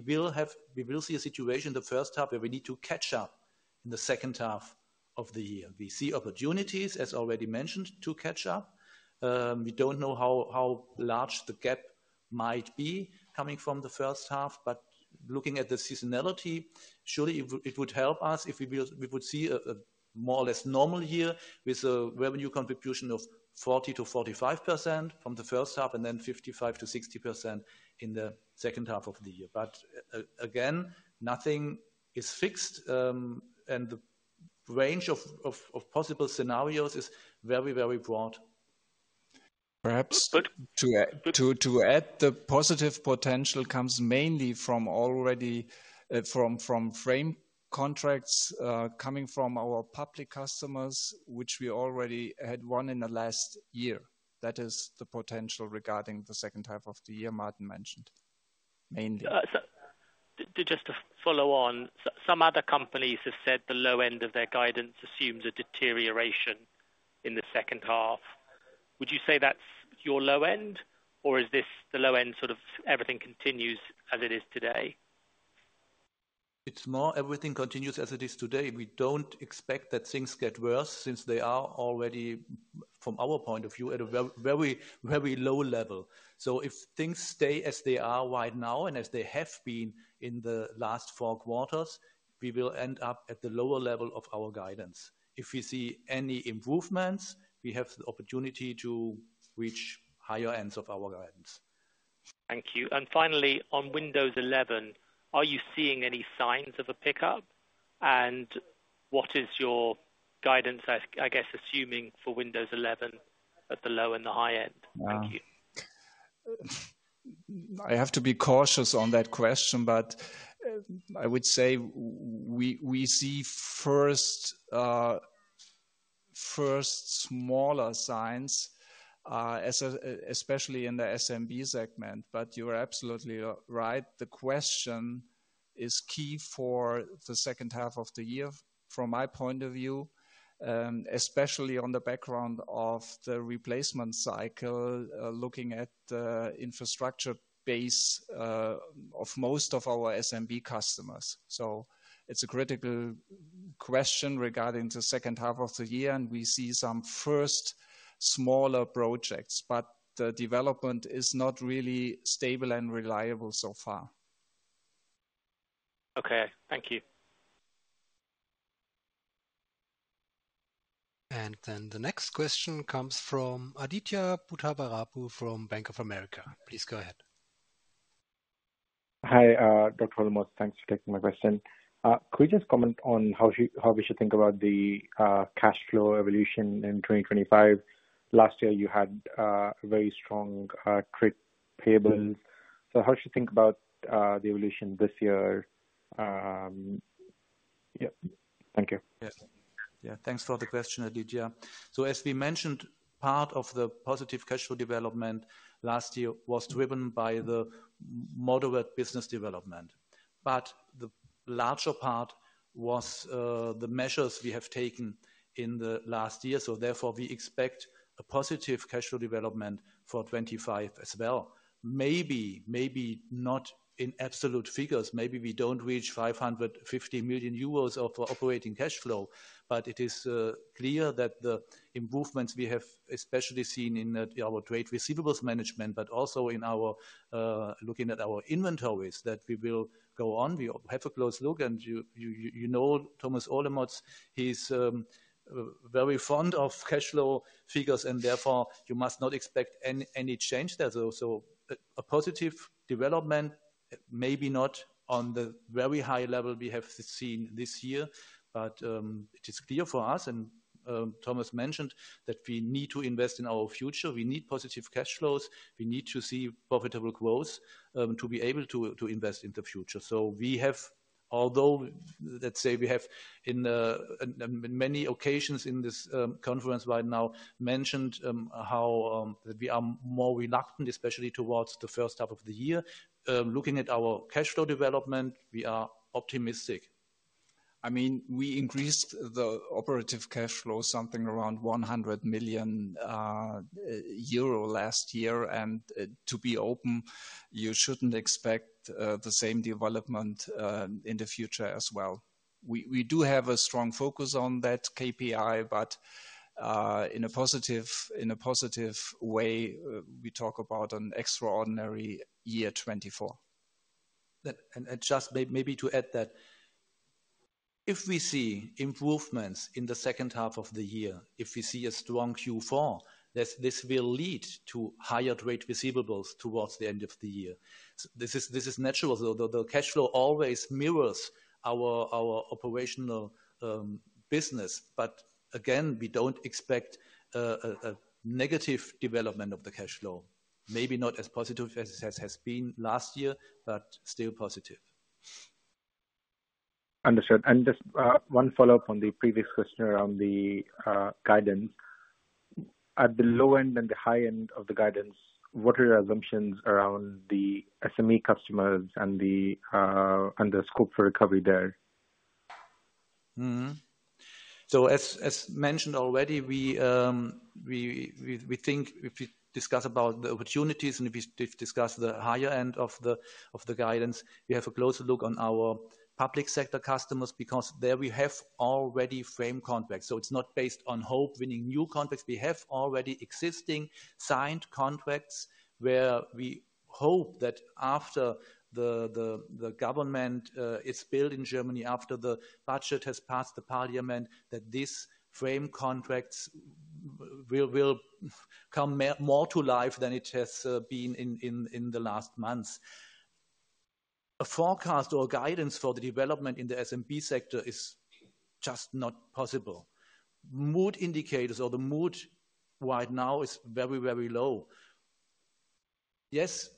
will see a situation in the first half where we need to catch up in the second half of the year. We see opportunities, as already mentioned, to catch up. We do not know how large the gap might be coming from the first half, but looking at the seasonality, surely it would help us if we would see a more or less normal year with a revenue contribution of 40-45% from the first half and then 55-60% in the second half of the year. Again, nothing is fixed, and the range of possible scenarios is very, very broad. Perhaps. To add, the positive potential comes mainly from frame contracts coming from our public customers, which we already had one in the last year. That is the potential regarding the second half of the year Martin mentioned, mainly. Just to follow on, some other companies have said the low end of their guidance assumes a deterioration in the second half. Would you say that's your low end, or is this the low end sort of everything continues as it is today? It's more everything continues as it is today. We don't expect that things get worse since they are already, from our point of view, at a very low level. If things stay as they are right now and as they have been in the last four quarters, we will end up at the lower level of our guidance. If we see any improvements, we have the opportunity to reach higher ends of our guidance. Thank you. Finally, on Windows 11, are you seeing any signs of a pickup? What is your guidance, I guess, assuming for Windows 11 at the low and the high end? Thank you. I have to be cautious on that question, but I would say we see first smaller signs, especially in the SMB segment. You're absolutely right. The question is key for the second half of the year from my point of view, especially on the background of the replacement cycle, looking at the infrastructure base of most of our SMB customers. It is a critical question regarding the second half of the year, and we see some first smaller projects, but the development is not really stable and reliable so far. Okay. Thank you. The next question comes from Aditya Buddhavarapu from Bank of America. Please go ahead. Hi, Dr. Olemotz. Thanks for taking my question. Could you just comment on how we should think about the cash flow evolution in 2025? Last year, you had a very strong trade payables. How should you think about the evolution this year? Yeah. Thank you. Yeah. Thanks for the question, Aditya. As we mentioned, part of the positive cash flow development last year was driven by the moderate business development. The larger part was the measures we have taken in the last year. Therefore, we expect a positive cash flow development for 2025 as well. Maybe not in absolute figures. Maybe we do not reach 550 million euros of operating cash flow, but it is clear that the improvements we have especially seen in our trade receivables management, but also in looking at our inventories, will go on. We have a close look, and you know Thomas Olemotz, he is very fond of cash flow figures, and therefore, you must not expect any change there. A positive development, maybe not on the very high level we have seen this year, but it is clear for us, and Thomas mentioned that we need to invest in our future. We need positive cash flows. We need to see profitable growth to be able to invest in the future. We have, although let's say we have in many occasions in this conference right now mentioned how we are more reluctant, especially towards the first half of the year, looking at our cash flow development, we are optimistic. I mean, we increased the operative cash flow, something around 100 million euro last year. To be open, you shouldn't expect the same development in the future as well. We do have a strong focus on that KPI, but in a positive way, we talk about an extraordinary year 2024. Just maybe to add that if we see improvements in the second half of the year, if we see a strong Q4, this will lead to higher trade receivables towards the end of the year. This is natural, though the cash flow always mirrors our operational business. Again, we do not expect a negative development of the cash flow. Maybe not as positive as it has been last year, but still positive. Understood. Just one follow-up on the previous question around the guidance. At the low end and the high end of the guidance, what are your assumptions around the SME customers and the scope for recovery there? As mentioned already, we think if we discuss about the opportunities and if we discuss the higher end of the guidance, we have a closer look on our public sector customers because there we have already frame contracts. It is not based on hope winning new contracts. We have already existing signed contracts where we hope that after the government is built in Germany, after the budget has passed the parliament, that these frame contracts will come more to life than it has been in the last months. A forecast or guidance for the development in the SMB sector is just not possible. Mood indicators or the mood right now is very, very low. Yes,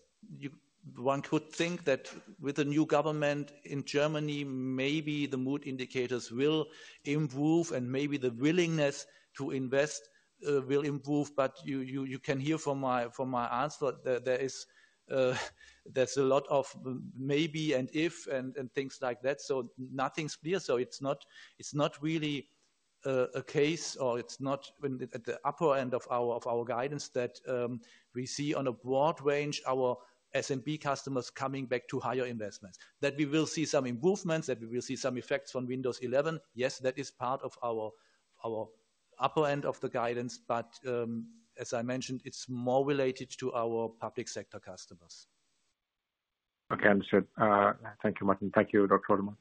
one could think that with the new government in Germany, maybe the mood indicators will improve and maybe the willingness to invest will improve. You can hear from my answer that there is a lot of maybe and if and things like that. Nothing is clear. It is not really a case or it is not at the upper end of our guidance that we see on a broad range our SMB customers coming back to higher investments. That we will see some improvements, that we will see some effects from Windows 11. Yes, that is part of our upper end of the guidance, but as I mentioned, it is more related to our public sector customers. Okay. Understood. Thank you, Martin. Thank you, Dr. Olemotz.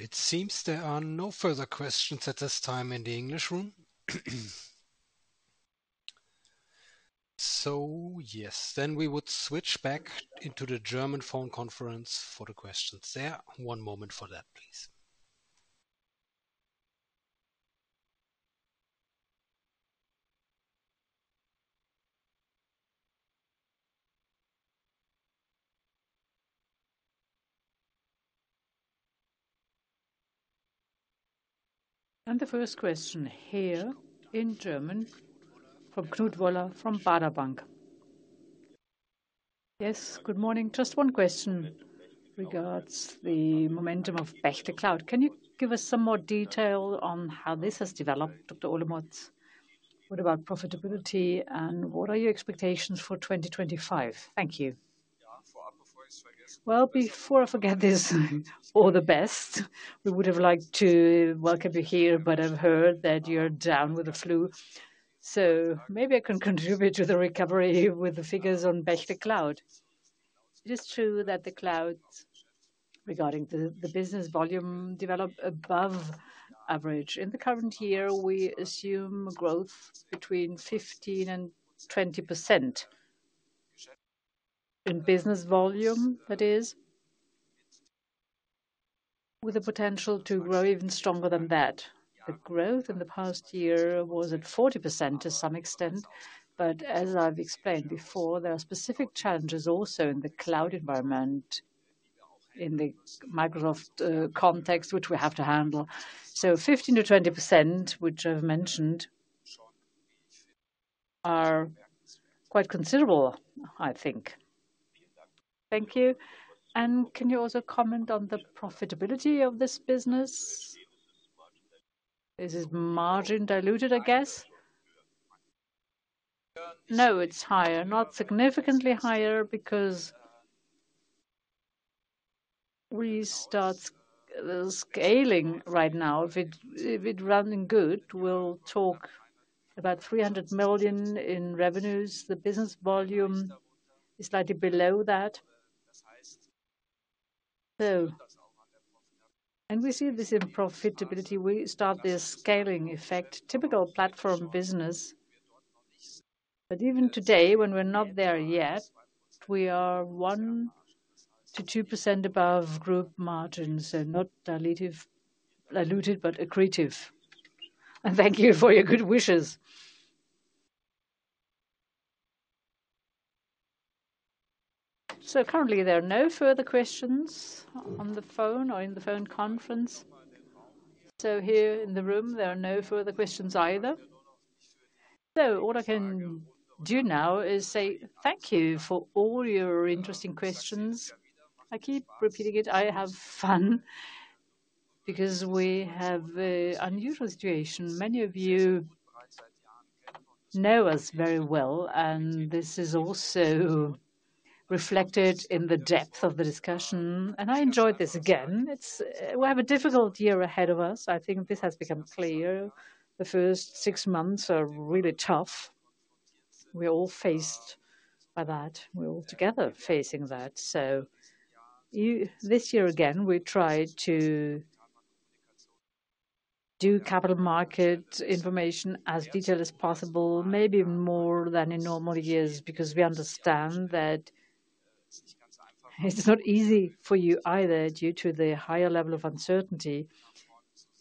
It seems there are no further questions at this time in the English room. Yes, we would switch back into the German phone conference for the questions there. One moment for that, please. The first question here in German from Knut Woller from Baader Bank. Yes, good morning. Just one question regards the momentum of Bechtle Cloud. Can you give us some more detail on how this has developed, Dr. Olemotz? What about profitability and what are your expectations for 2025? Thank you. Before I forget this, all the best. We would have liked to welcome you here, but I've heard that you're down with the flu. Maybe I can contribute to the recovery with the figures on Bechtle Cloud. It is true that the cloud regarding the business volume developed above average. In the current year, we assume growth between 15%-20% in business volume, that is, with a potential to grow even stronger than that. The growth in the past year was at 40% to some extent, but as I've explained before, there are specific challenges also in the cloud environment in the Microsoft context, which we have to handle. Fifteen to 20%, which I've mentioned, are quite considerable, I think. Thank you. Can you also comment on the profitability of this business? Is it margin diluted, I guess? No, it's higher. Not significantly higher because we start scaling right now. If it runs in good, we'll talk about 300 million in revenues. The business volume is slightly below that. We see this in profitability. We start this scaling effect, typical platform business. Even today, when we're not there yet, we are 1-2% above group margins, so not diluted, but accretive. Thank you for your good wishes. Currently, there are no further questions on the phone or in the phone conference. Here in the room, there are no further questions either. What I can do now is say thank you for all your interesting questions. I keep repeating it. I have fun because we have an unusual situation. Many of you know us very well, and this is also reflected in the depth of the discussion. I enjoyed this again. We have a difficult year ahead of us. I think this has become clear. The first six months are really tough. We're all faced by that. We're all together facing that. This year again, we try to do capital market information as detailed as possible, maybe more than in normal years, because we understand that it's not easy for you either due to the higher level of uncertainty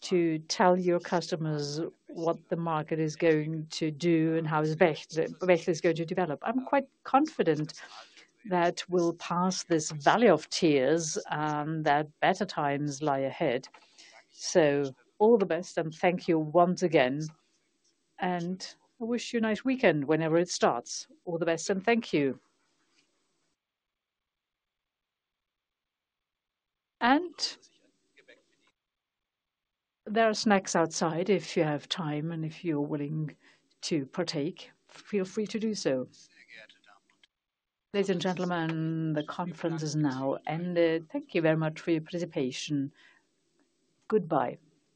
to tell your customers what the market is going to do and how Bechtle is going to develop. I'm quite confident that we'll pass this valley of tears and that better times lie ahead. All the best, and thank you once again. I wish you a nice weekend whenever it starts. All the best, and thank you. There are snacks outside if you have time, and if you're willing to partake, feel free to do so. Ladies and gentlemen, the conference is now ended. Thank you very much for your participation. Goodbye.